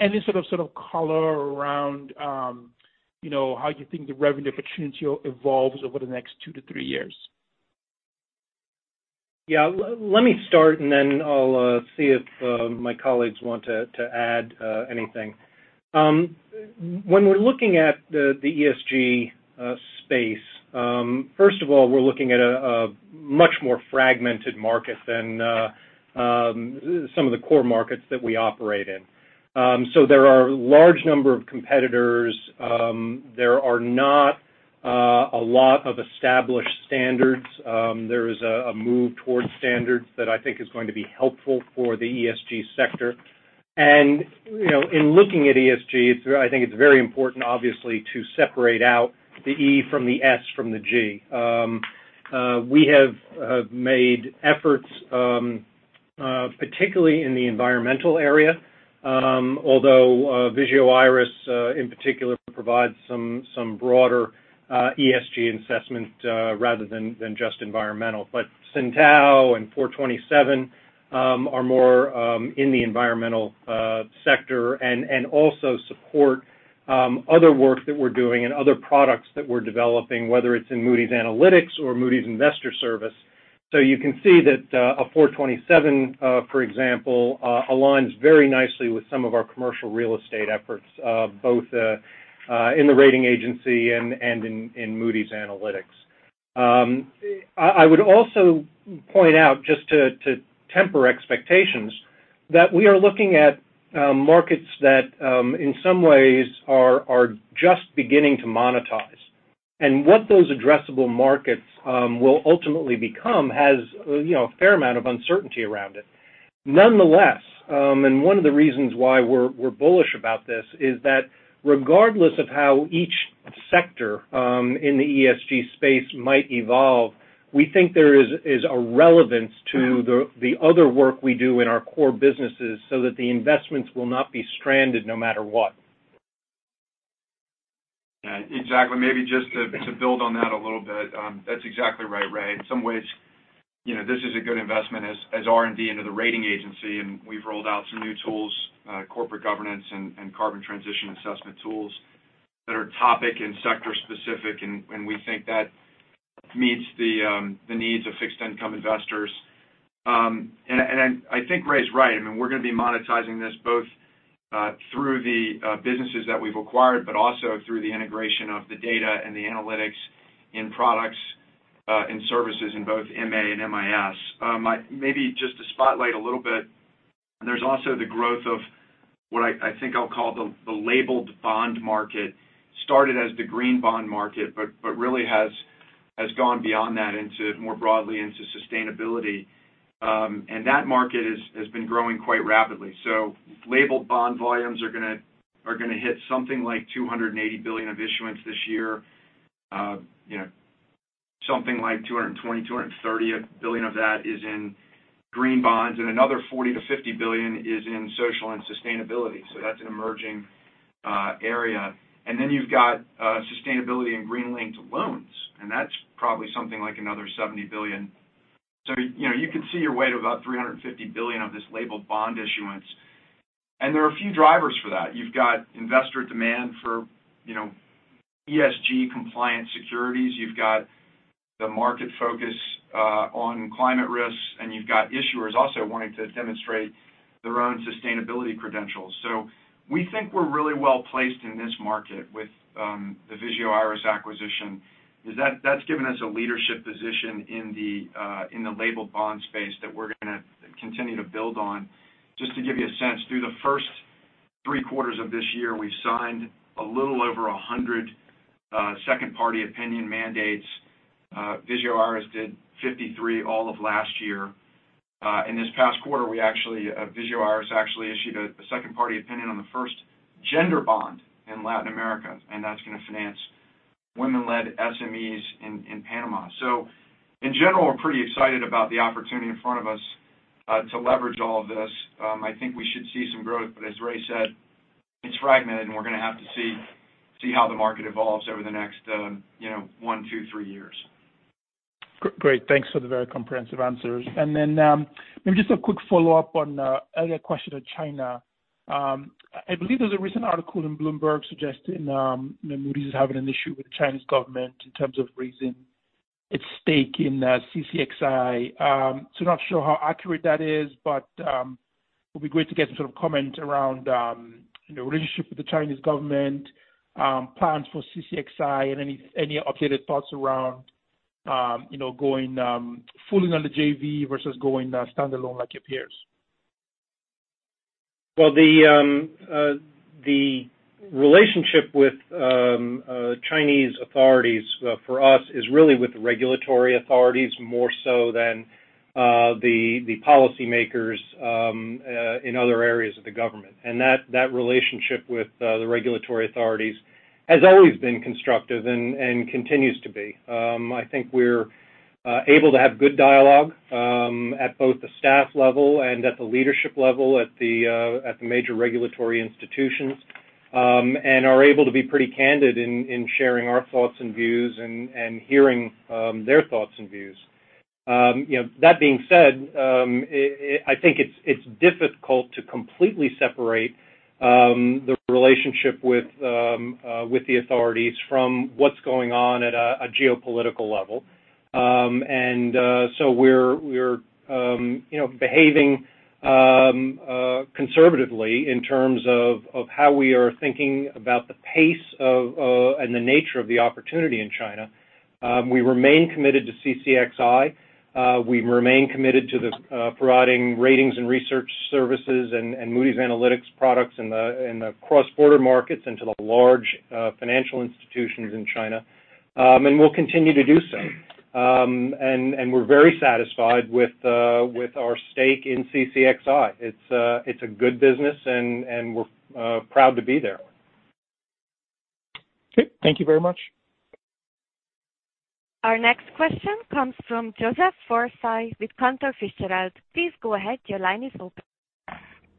Any sort of color around how you think the revenue opportunity evolves over the next two to three years. Yeah. Let me start, and then I'll see if my colleagues want to add anything. When we're looking at the ESG space, first of all, we're looking at a much more fragmented market than some of the core markets that we operate in. There are a large number of competitors. There are not a lot of established standards. There is a move towards standards that I think is going to be helpful for the ESG sector. In looking at ESG, I think it's very important, obviously, to separate out the E from the S from the G. We have made efforts, particularly in the environmental area. Although Vigeo Eiris in particular provides some broader ESG assessment rather than just environmental. SynTao and Four Twenty Seven are more in the environmental sector and also support other work that we're doing and other products that we're developing, whether it's in Moody's Analytics or Moody's Investors Service. you can see that a Four Twenty Seven, for example, aligns very nicely with some of our commercial real estate efforts, both in the rating agency and in Moody's Analytics. I would also point out, just to temper expectations, that we are looking at markets that in some ways are just beginning to monetize. what those addressable markets will ultimately become has a fair amount of uncertainty around it. Nonetheless, and one of the reasons why we're bullish about this is that regardless of how each sector in the ESG space might evolve, we think there is a relevance to the other work we do in our core businesses so that the investments will not be stranded no matter what. Yeah, exactly. Maybe just to build on that a little bit. That's exactly right, Ray. In some ways, this is a good investment as R&D into the rating agency, and we've rolled out some new tools, corporate governance, and carbon transition assessment tools that are topic and sector specific, and we think that meets the needs of fixed income investors. I think Ray's right. We're going to be monetizing this both through the businesses that we've acquired, but also through the integration of the data and the analytics in products and services in both MA and MIS. Maybe just to spotlight a little bit, there's also the growth of what I think I'll call the labeled bond market. Started as the green bond market, but really has gone beyond that more broadly into sustainability. That market has been growing quite rapidly. Labeled bond volumes are going to hit something like $280 billion of issuance this year. Something like $220 billion-$230 billion of that is in green bonds and another $40 billion-$50 billion is in social and sustainability. That's an emerging area. Then you've got sustainability and green-linked loans, and that's probably something like another $70 billion. You can see your way to about $350 billion of this labeled bond issuance. There are a few drivers for that. You've got investor demand for ESG compliant securities. You've got the market focus on climate risks, and you've got issuers also wanting to demonstrate their own sustainability credentials. We think we're really well-placed in this market with the Vigeo Eiris acquisition, because that's given us a leadership position in the labeled bond space that we're going to continue to build on. Just to give you a sense, through the first three quarters of this year, we've signed a little over 100 second-party opinion mandates. Vigeo Eiris did 53 all of last year. In this past quarter, Vigeo Eiris actually issued a second-party opinion on the first gender bond in Latin America, and that's going to finance women-led SMEs in Panama. In general, we're pretty excited about the opportunity in front of us to leverage all of this. I think we should see some growth, but as Ray said, it's fragmented and we're going to have to see how the market evolves over the next one, two, three years. Great. Thanks for the very comprehensive answers. Maybe just a quick follow-up on earlier question on China. I believe there's a recent article in Bloomberg suggesting that Moody's is having an issue with the Chinese government in terms of raising its stake in CCXI. Not sure how accurate that is, but it would be great to get some sort of comment around the relationship with the Chinese government, plans for CCXI and any updated thoughts around fully on the JV versus going standalone like your peers. Well, the relationship with Chinese authorities for us is really with the regulatory authorities more so than the policymakers in other areas of the government. That relationship with the regulatory authorities has always been constructive and continues to be. I think we're able to have good dialogue at both the staff level and at the leadership level at the major regulatory institutions, and are able to be pretty candid in sharing our thoughts and views and hearing their thoughts and views. That being said, I think it's difficult to completely separate the relationship with the authorities from what's going on at a geopolitical level. We're behaving conservatively in terms of how we are thinking about the pace of and the nature of the opportunity in China. We remain committed to CCXI. We remain committed to providing ratings and research services and Moody's Analytics products in the cross-border markets into the large financial institutions in China. We'll continue to do so. We're very satisfied with our stake in CCXI. It's a good business, and we're proud to be there. Okay. Thank you very much. Our next question comes from Joseph Foresi with Cantor Fitzgerald. Please go ahead. Your line is open.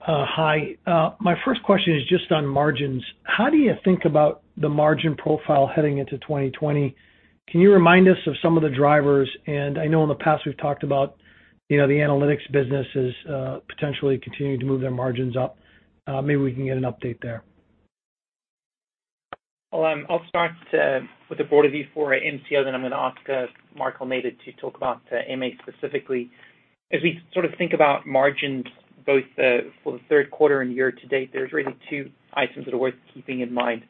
Hi. My first question is just on margins. How do you think about the margin profile heading into 2020? Can you remind us of some of the drivers? I know in the past we've talked about the analytics businesses potentially continuing to move their margins up. Maybe we can get an update there. I'll start with a broader view for MCO, then I'm going to ask Mark Almeida to talk about MA specifically. As we sort of think about margins both for the third quarter and year to date, there's really two items that are worth keeping in mind.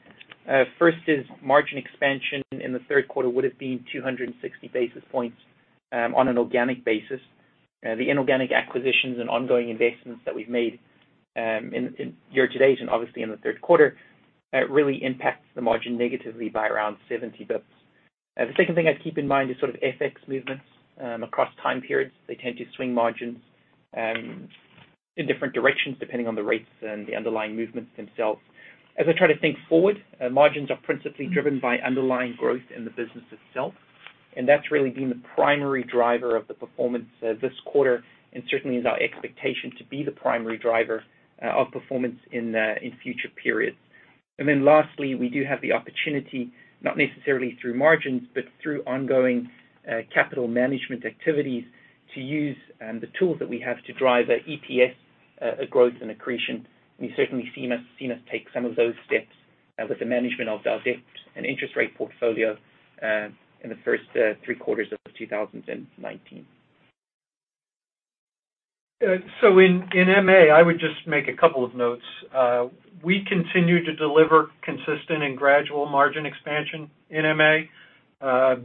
First is margin expansion in the third quarter would have been 260 basis points on an organic basis. The inorganic acquisitions and ongoing investments that we've made year-to-date, and obviously in the third quarter, really impacts the margin negatively by around 70 basis points. The second thing I'd keep in mind is sort of FX movements across time periods. They tend to swing margins in different directions depending on the rates and the underlying movements themselves. As I try to think forward, margins are principally driven by underlying growth in the business itself, and that's really been the primary driver of the performance this quarter, and certainly is our expectation to be the primary driver of performance in future periods. Lastly, we do have the opportunity, not necessarily through margins, but through ongoing capital management activities to use the tools that we have to drive EPS growth and accretion. You certainly have seen us take some of those steps with the management of our debt and interest rate portfolio in the first three quarters of 2019. In MA, I would just make a couple of notes. We continue to deliver consistent and gradual margin expansion in MA.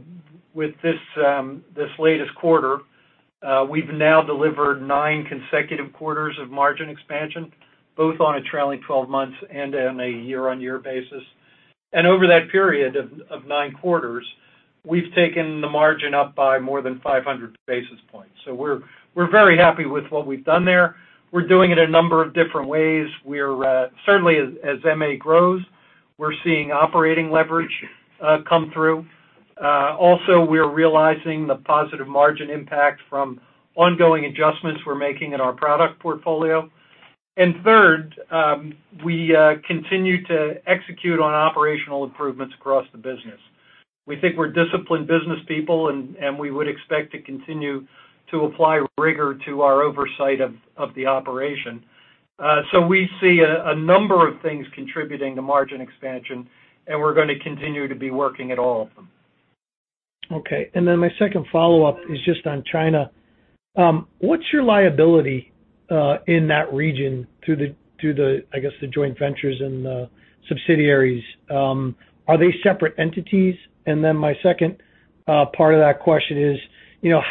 With this latest quarter. We've now delivered nine consecutive quarters of margin expansion, both on a trailing 12 months and on a year-on-year basis. Over that period of nine quarters, we've taken the margin up by more than 500 basis points. We're very happy with what we've done there. We're doing it a number of different ways. Certainly, as MA grows, we're seeing operating leverage come through. Also, we're realizing the positive margin impact from ongoing adjustments we're making in our product portfolio. Third, we continue to execute on operational improvements across the business. We think we're disciplined business people, and we would expect to continue to apply rigor to our oversight of the operation. We see a number of things contributing to margin expansion, and we're going to continue to be working at all of them. Okay. My second follow-up is just on China. What's your liability in that region through the, I guess, the joint ventures and the subsidiaries? Are they separate entities? My second part of that question is,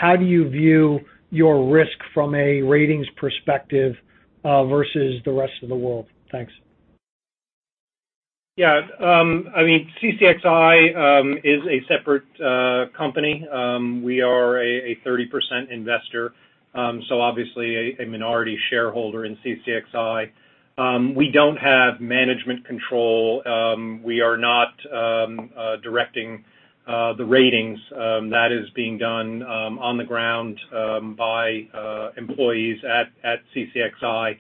how do you view your risk from a ratings perspective versus the rest of the world? Thanks. Yeah. CCXI is a separate company. We are a 30% investor, so obviously a minority shareholder in CCXI. We don't have management control. We are not directing the ratings. That is being done on the ground by employees at CCXI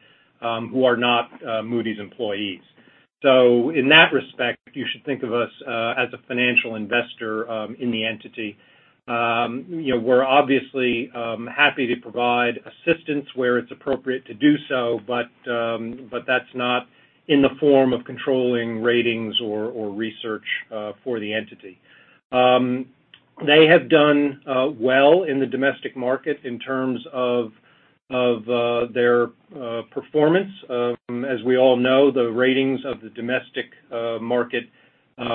who are not Moody's employees. in that respect, you should think of us as a financial investor in the entity. We're obviously happy to provide assistance where it's appropriate to do so. that's not in the form of controlling ratings or research for the entity. They have done well in the domestic market in terms of their performance. As we all know, the ratings of the domestic market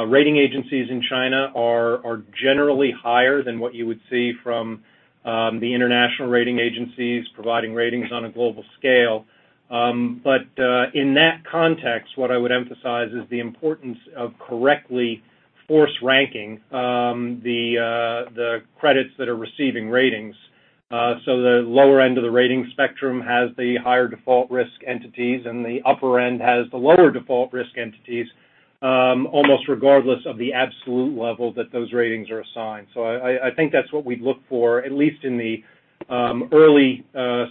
rating agencies in China are generally higher than what you would see from the international rating agencies providing ratings on a global scale. In that context, what I would emphasize is the importance of correctly force ranking the credits that are receiving ratings. The lower end of the rating spectrum has the higher default risk entities, and the upper end has the lower default risk entities, almost regardless of the absolute level that those ratings are assigned. I think that's what we'd look for, at least in the early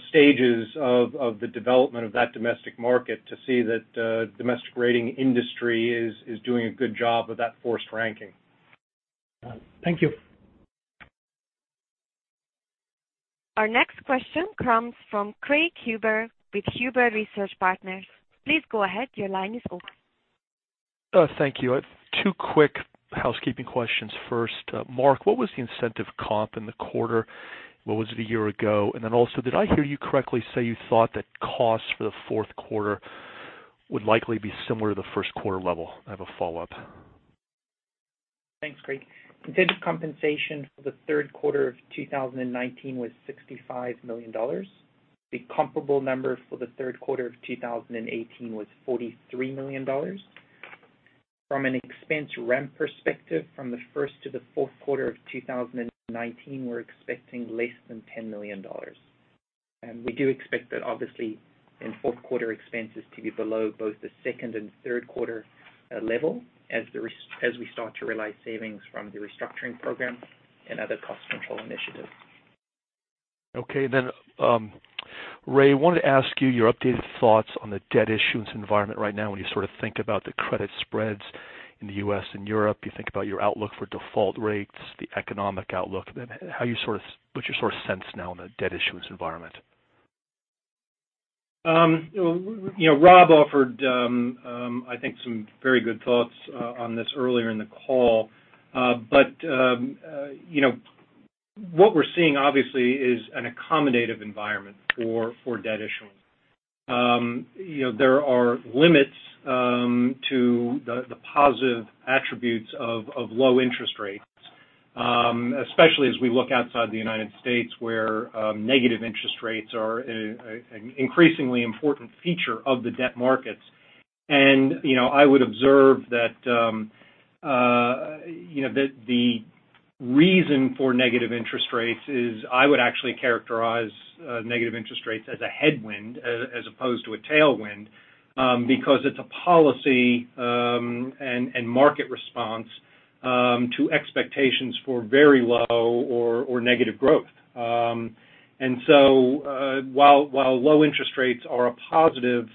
stages of the development of that domestic market, to see that domestic rating industry is doing a good job of that forced ranking. Thank you. Our next question comes from Craig Huber with Huber Research Partners. Please go ahead. Your line is open. Thank you. Two quick housekeeping questions first. Mark, what was the incentive comp in the quarter? What was it a year ago? did I hear you correctly say you thought that costs for the fourth quarter would likely be similar to the first quarter level? I have a follow-up. Thanks, Craig. Contingent compensation for the third quarter of 2019 was $65 million. The comparable number for the third quarter of 2018 was $43 million. From an expense ramp perspective, from the first to the fourth quarter of 2019, we're expecting less than $10 million. We do expect that obviously in fourth quarter expenses to be below both the second and third quarter level as we start to realize savings from the restructuring program and other cost control initiatives. Okay. Ray, I wanted to ask you your updated thoughts on the debt issuance environment right now when you think about the credit spreads in the U.S. and Europe, you think about your outlook for default rates, the economic outlook. What's your sense now in the debt issuance environment? Rob offered, I think some very good thoughts on this earlier in the call. what we're seeing obviously is an accommodative environment for debt issuance. There are limits to the positive attributes of low interest rates, especially as we look outside the United States, where negative interest rates are an increasingly important feature of the debt markets. I would observe that the reason for negative interest rates is I would actually characterize negative interest rates as a headwind as opposed to a tailwind, because it's a policy and market response to expectations for very low or negative growth. While low interest rates are a positive,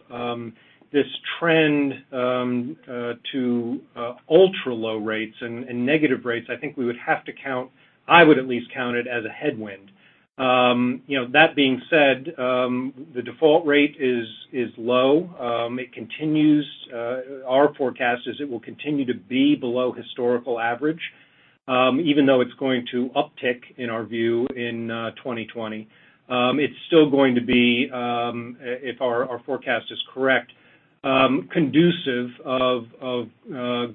this trend to ultra low rates and negative rates, I think we would have to count, I would at least count it as a headwind. That being said, the default rate is low. Our forecast is it will continue to be below historical average even though it's going to uptick in our view in 2020. It's still going to be, if our forecast is correct. Conducive of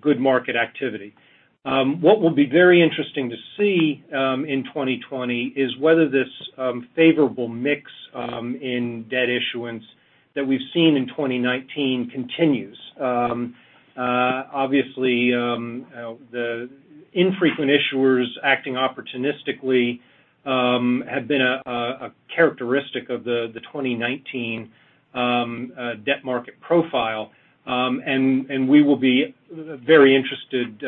good market activity. What will be very interesting to see in 2020 is whether this favorable mix in debt issuance that we've seen in 2019 continues. Obviously, the infrequent issuers acting opportunistically have been a characteristic of the 2019 debt market profile. we will be very interested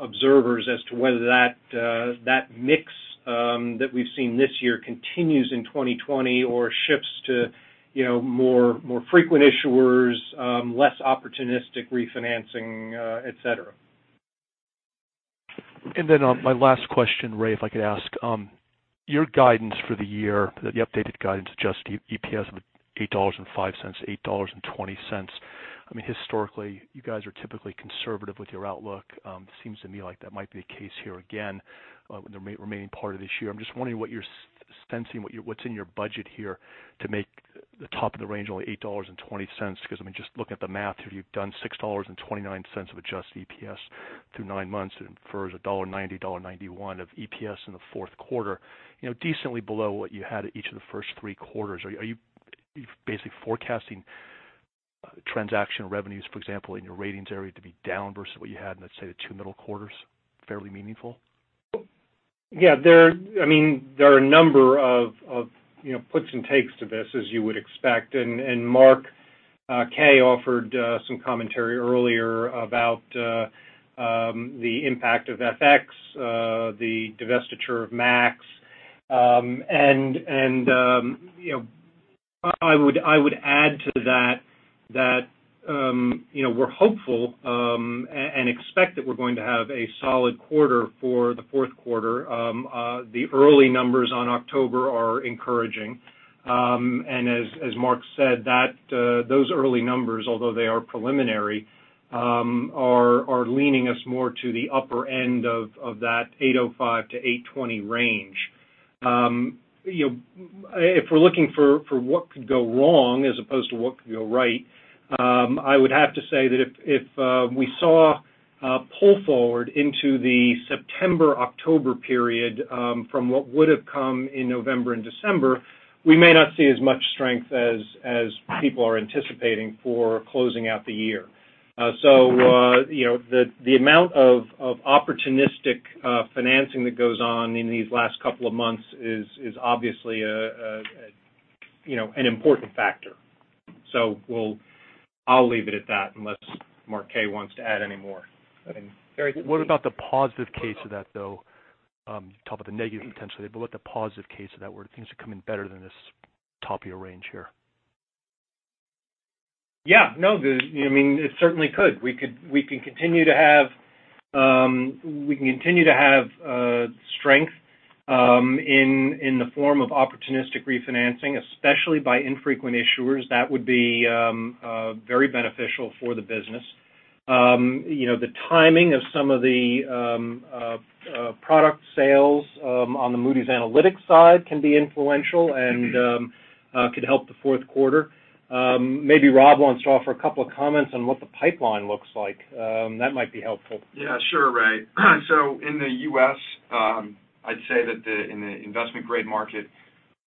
observers as to whether that mix that we've seen this year continues in 2020 or shifts to more frequent issuers, less opportunistic refinancing, et cetera. My last question, Ray, if I could ask. Your guidance for the year, the updated guidance, adjusted EPS of $8.05, $8.20. Historically, you guys are typically conservative with your outlook. It seems to me like that might be the case here again in the remaining part of this year. I'm just wondering what you're sensing, what's in your budget here to make the top of the range only $8.20? Because, just looking at the math, if you've done $6.29 of adjusted EPS through nine months, it infers $1.90, $1.91 of EPS in the fourth quarter. Decently below what you had at each of the first three quarters. Are you basically forecasting transaction revenues, for example, in your ratings area to be down versus what you had in, let's say, the two middle quarters, fairly meaningful? Yeah. There are a number of puts and takes to this, as you would expect. Mark K. offered some commentary earlier about the impact of FX, the divestiture of MAKS. I would add to that we're hopeful and expect that we're going to have a solid quarter for the fourth quarter. The early numbers on October are encouraging. As Mark said, those early numbers, although they are preliminary, are leaning us more to the upper end of that $8.05-$8.20 range. If we're looking for what could go wrong as opposed to what could go right, I would have to say that if we saw a pull forward into the September-October period from what would've come in November and December, we may not see as much strength as people are anticipating for closing out the year. The amount of opportunistic financing that goes on in these last couple of months is obviously an important factor. I'll leave it at that unless Mark K. wants to add any more. What about the positive case of that, though? You talked about the negative potential, but what the positive case of that, where things are coming better than this top of your range here? Yeah. It certainly could. We can continue to have strength in the form of opportunistic refinancing, especially by infrequent issuers. That would be very beneficial for the business. The timing of some of the product sales on the Moody's Analytics side can be influential and could help the fourth quarter. Maybe Rob wants to offer a couple of comments on what the pipeline looks like. That might be helpful. Yeah, sure, Ray. In the U.S., I'd say that in the investment-grade market,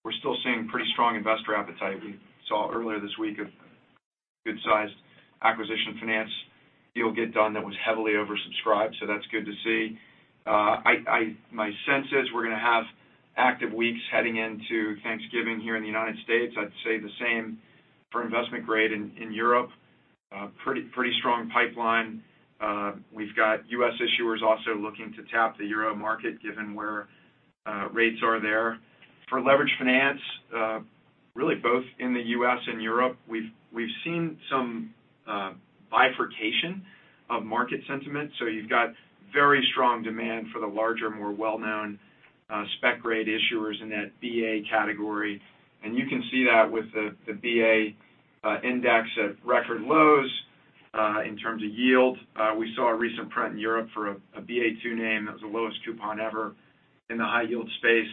we're still seeing pretty strong investor appetite. We saw earlier this week a good-sized acquisition finance deal get done that was heavily oversubscribed, so that's good to see. My sense is we're going to have active weeks heading into Thanksgiving here in the United States. I'd say the same for investment grade in Europe. Pretty strong pipeline. We've got U.S. issuers also looking to tap the euro market, given where rates are there. For leveraged finance, really both in the U.S. and Europe, we've seen some bifurcation of market sentiment. You've got very strong demand for the larger, more well-known spec-grade issuers in that Ba category. You can see that with the BA index at record lows in terms of yield. We saw a recent print in Europe for a Ba2 name that was the lowest coupon ever in the high-yield space.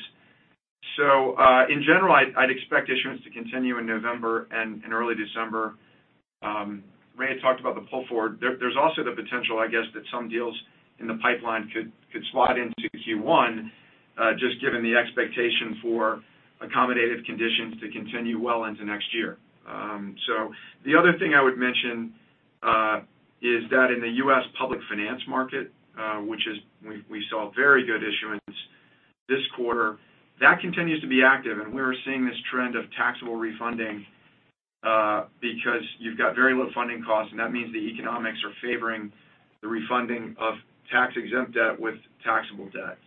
In general, I'd expect issuance to continue in November and in early December. Ray had talked about the pull forward. There's also the potential, I guess, that some deals in the pipeline could slot into Q1, just given the expectation for accommodative conditions to continue well into next year. The other thing I would mention is that in the U.S. public finance market, which we saw very good issuance this quarter, that continues to be active. We're seeing this trend of taxable refunding because you've got very low funding costs, and that means the economics are favoring the refunding of tax-exempt debt with taxable debt.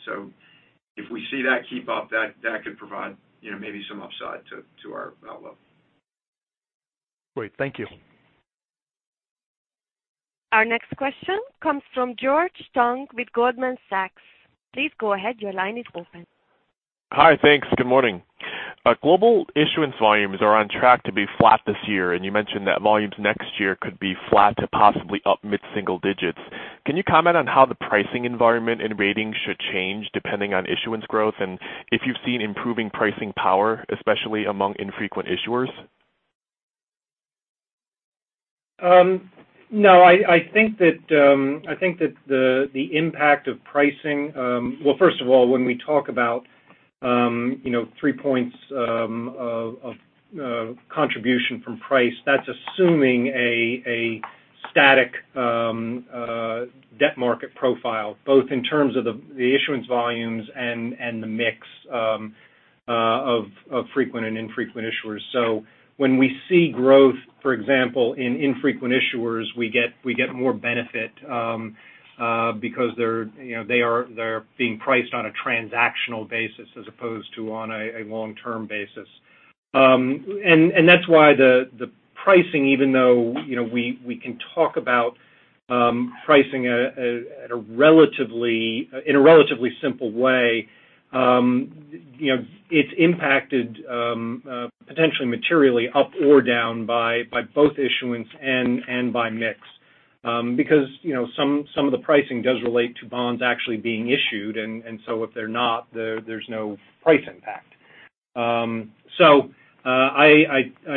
If we see that keep up, that could provide maybe some upside to our outlook. Great. Thank you. Our next question comes from George Tong with Goldman Sachs. Please go ahead. Your line is open. Hi. Thanks. Good morning. Global issuance volumes are on track to be flat this year, and you mentioned that volumes next year could be flat to possibly up mid-single digits. Can you comment on how the pricing environment and ratings should change depending on issuance growth, and if you've seen improving pricing power, especially among infrequent issuers? No, I think that the impact of pricing. Well, first of all, when we talk about three points of contribution from price, that's assuming a static debt market profile, both in terms of the issuance volumes and the mix of frequent and infrequent issuers. When we see growth, for example, in infrequent issuers, we get more benefit because they're being priced on a transactional basis as opposed to on a long-term basis. That's why the pricing, even though we can talk about pricing in a relatively simple way, it's impacted potentially materially up or down by both issuance and by mix. Because some of the pricing does relate to bonds actually being issued, and so if they're not, there's no price impact. I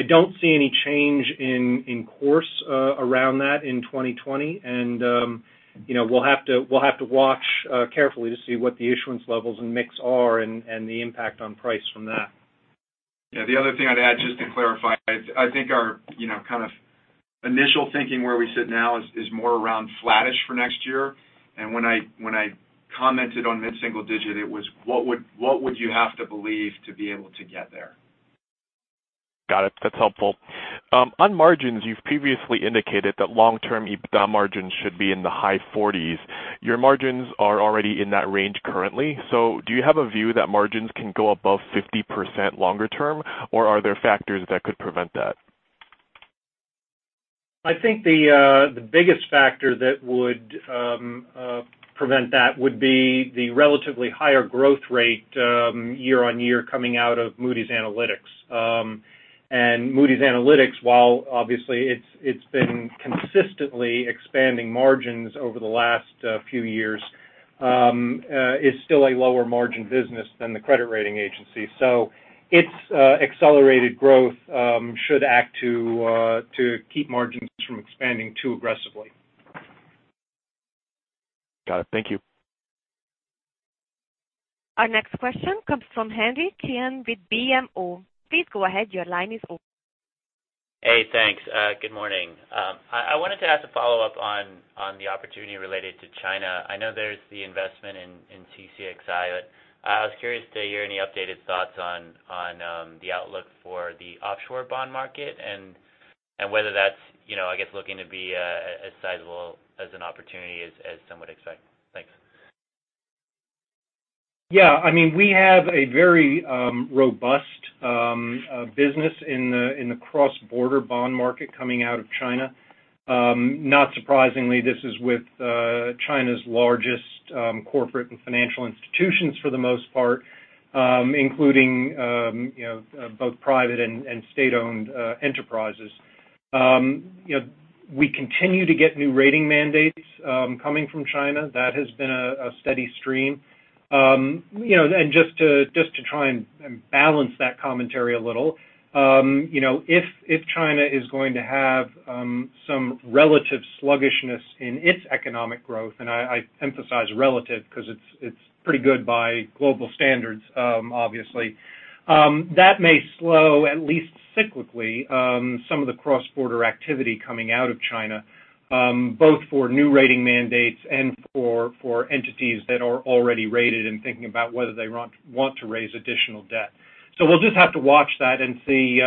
don't see any change in course around that in 2020. We'll have to watch carefully to see what the issuance levels and mix are and the impact on price from that. Yeah, the other thing I'd add, just to clarify, I think our kind of initial thinking where we sit now is more around flattish for next year. When I commented on mid-single digit, it was what would you have to believe to be able to get there? Got it. That's helpful. On margins, you've previously indicated that long-term EBITDA margins should be in the high 40s%. Your margins are already in that range currently. Do you have a view that margins can go above 50% longer term, or are there factors that could prevent that? I think the biggest factor that would prevent that would be the relatively higher growth rate year-over-year coming out of Moody's Analytics. Moody's Analytics, while obviously it's been consistently expanding margins over the last few years, is still a lower margin business than the credit rating agency. Its accelerated growth should act to keep margins from expanding too aggressively. Got it. Thank you. Our next question comes from Henry Chien with BMO. Please go ahead, your line is open. Hey, thanks. Good morning. I wanted to ask a follow-up on the opportunity related to China. I know there's the investment in CCXI, but I was curious to hear any updated thoughts on the outlook for the offshore bond market and whether that's looking to be as sizable as an opportunity as some would expect. Thanks. Yeah, we have a very robust business in the cross-border bond market coming out of China. Not surprisingly, this is with China's largest corporate and financial institutions for the most part, including both private and state-owned enterprises. We continue to get new rating mandates coming from China. That has been a steady stream. Just to try and balance that commentary a little, if China is going to have some relative sluggishness in its economic growth, and I emphasize relative because it's pretty good by global standards obviously. That may slow, at least cyclically some of the cross-border activity coming out of China, both for new rating mandates and for entities that are already rated and thinking about whether they want to raise additional debt. We'll just have to watch that and see.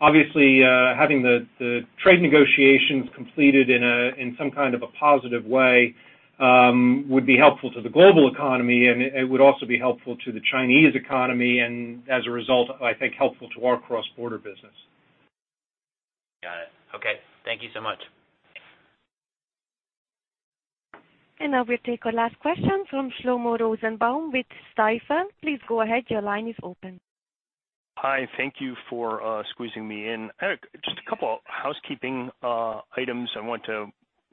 Obviously, having the trade negotiations completed in some kind of a positive way would be helpful to the global economy, and it would also be helpful to the Chinese economy, and as a result, I think helpful to our cross-border business. Got it. Okay. Thank you so much. now we'll take our last question from Shlomo Rosenbaum with Stifel. Please go ahead, your line is open. Hi, thank you for squeezing me in. Just a couple housekeeping items I want to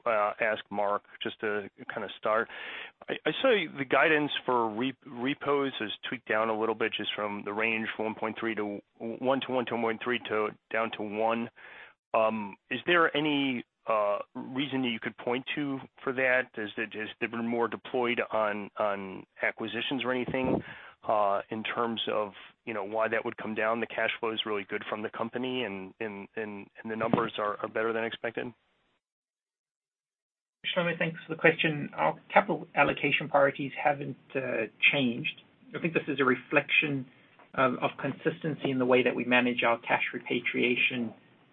ask Mark, just to kind of start. I saw the guidance for repos has tweaked down a little bit just from the range $1.3 billion to down to $1 billion. Is there any reason that you could point to for that? Has they been more deployed on acquisitions or anything in terms of why that would come down? The cash flow is really good from the company and the numbers are better than expected. Shlomo, thanks for the question. Our capital allocation priorities haven't changed. I think this is a reflection of consistency in the way that we manage our cash repatriation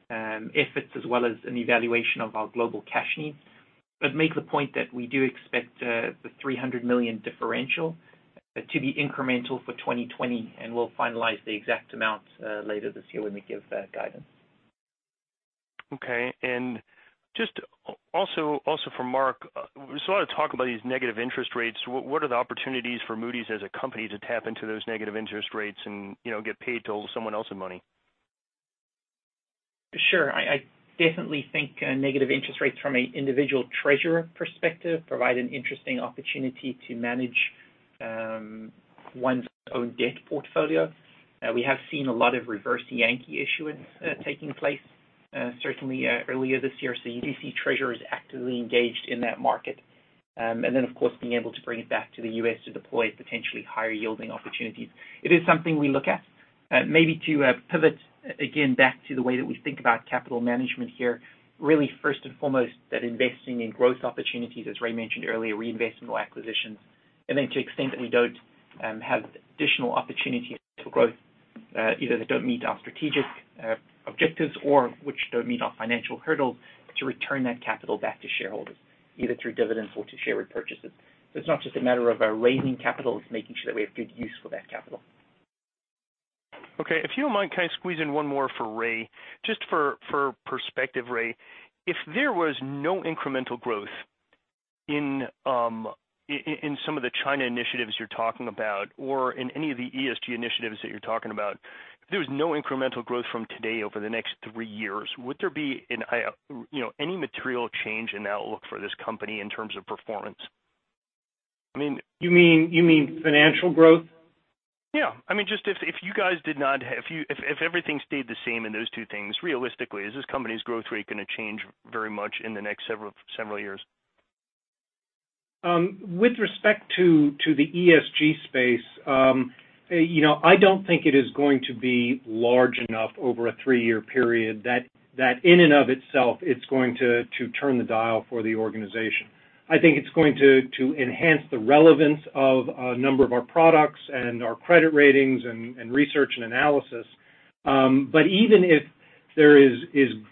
efforts, as well as an evaluation of our global cash needs. Make the point that we do expect the $300 million differential to be incremental for 2020, and we'll finalize the exact amounts later this year when we give guidance. Okay. Just also for Mark, I just want to talk about these negative interest rates. What are the opportunities for Moody's as a company to tap into those negative interest rates and get paid to hold someone else's money? Sure. I definitely think negative interest rates from an individual treasurer perspective provide an interesting opportunity to manage one's own debt portfolio. We have seen a lot of reverse Yankee issuance taking place, certainly earlier this year. You do see treasurers actively engaged in that market. Of course, being able to bring it back to the U.S. to deploy potentially higher-yielding opportunities. It is something we look at. Maybe to pivot again back to the way that we think about capital management here, really first and foremost, that investing in growth opportunities, as Ray mentioned earlier, reinvestment or acquisitions, and then to the extent that we don't have additional opportunities for growth, either they don't meet our strategic objectives or which don't meet our financial hurdles to return that capital back to shareholders, either through dividends or to share repurchases. It's not just a matter of our raising capital, it's making sure that we have good use for that capital. Okay. If you don't mind, can I squeeze in one more for Ray? Just for perspective, Ray, if there was no incremental growth in some of the China initiatives you're talking about, or in any of the ESG initiatives that you're talking about, if there was no incremental growth from today over the next three years, would there be any material change in outlook for this company in terms of performance? You mean financial growth? Yeah. If everything stayed the same in those two things, realistically, is this company's growth rate going to change very much in the next several years? With respect to the ESG space, I don't think it is going to be large enough over a three-year period that in and of itself, it's going to turn the dial for the organization. I think it's going to enhance the relevance of a number of our products and our credit ratings and research and analysis. Even if there is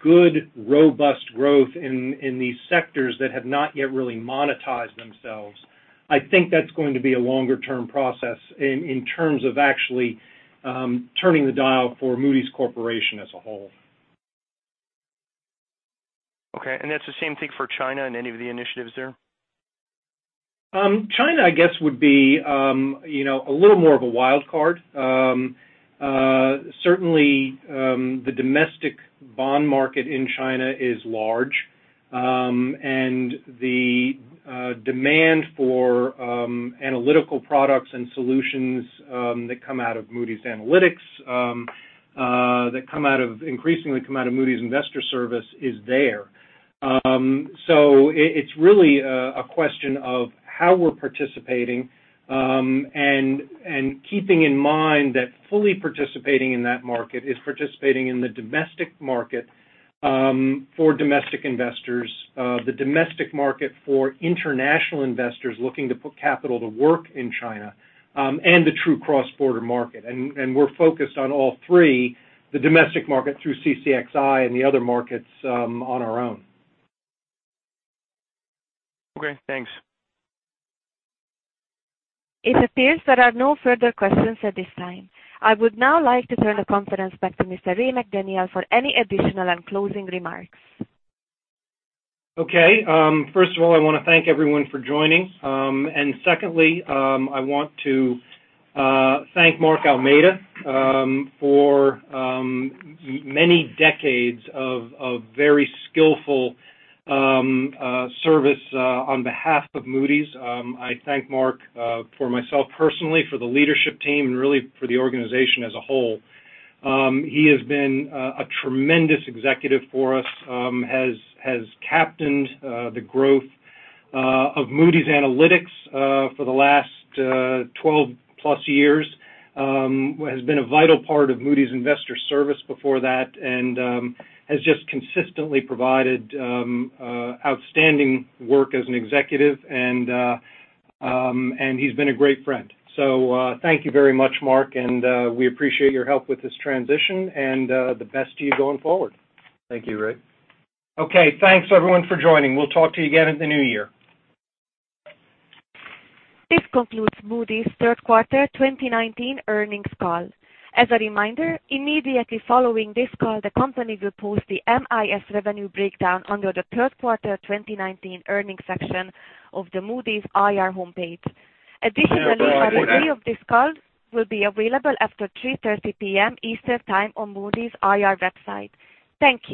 good, robust growth in these sectors that have not yet really monetized themselves, I think that's going to be a longer-term process in terms of actually turning the dial for Moody's Corporation as a whole. Okay. That's the same thing for China and any of the initiatives there? China, I guess, would be a little more of a wild card. Certainly, the domestic bond market in China is large, and the demand for analytical products and solutions that come out of Moody's Analytics, that increasingly come out of Moody's Investors Service is there. It's really a question of how we're participating, and keeping in mind that fully participating in that market is participating in the domestic market for domestic investors, the domestic market for international investors looking to put capital to work in China, and the true cross-border market. We're focused on all three, the domestic market through CCXI and the other markets on our own. Okay, thanks. It appears there are no further questions at this time. I would now like to turn the conference back to Mr. Ray McDaniel for any additional and closing remarks. Okay. First of all, I want to thank everyone for joining. Secondly, I want to thank Mark Almeida for many decades of very skillful service on behalf of Moody's. I thank Mark for myself personally, for the leadership team, and really for the organization as a whole. He has been a tremendous executive for us, has captained the growth of Moody's Analytics for the last 12 plus years, has been a vital part of Moody's Investors Service before that, and has just consistently provided outstanding work as an executive, and he's been a great friend. Thank you very much, Mark, and we appreciate your help with this transition and the best to you going forward. Thank you, Ray. Okay. Thanks everyone for joining. We'll talk to you again in the new year. This concludes Moody's third quarter 2019 earnings call. As a reminder, immediately following this call, the company will post the MIS revenue breakdown under the third quarter 2019 earnings section of the Moody's IR homepage. Additionally, a replay of this call will be available after 3:30 P.M. Eastern Time on Moody's IR website. Thank you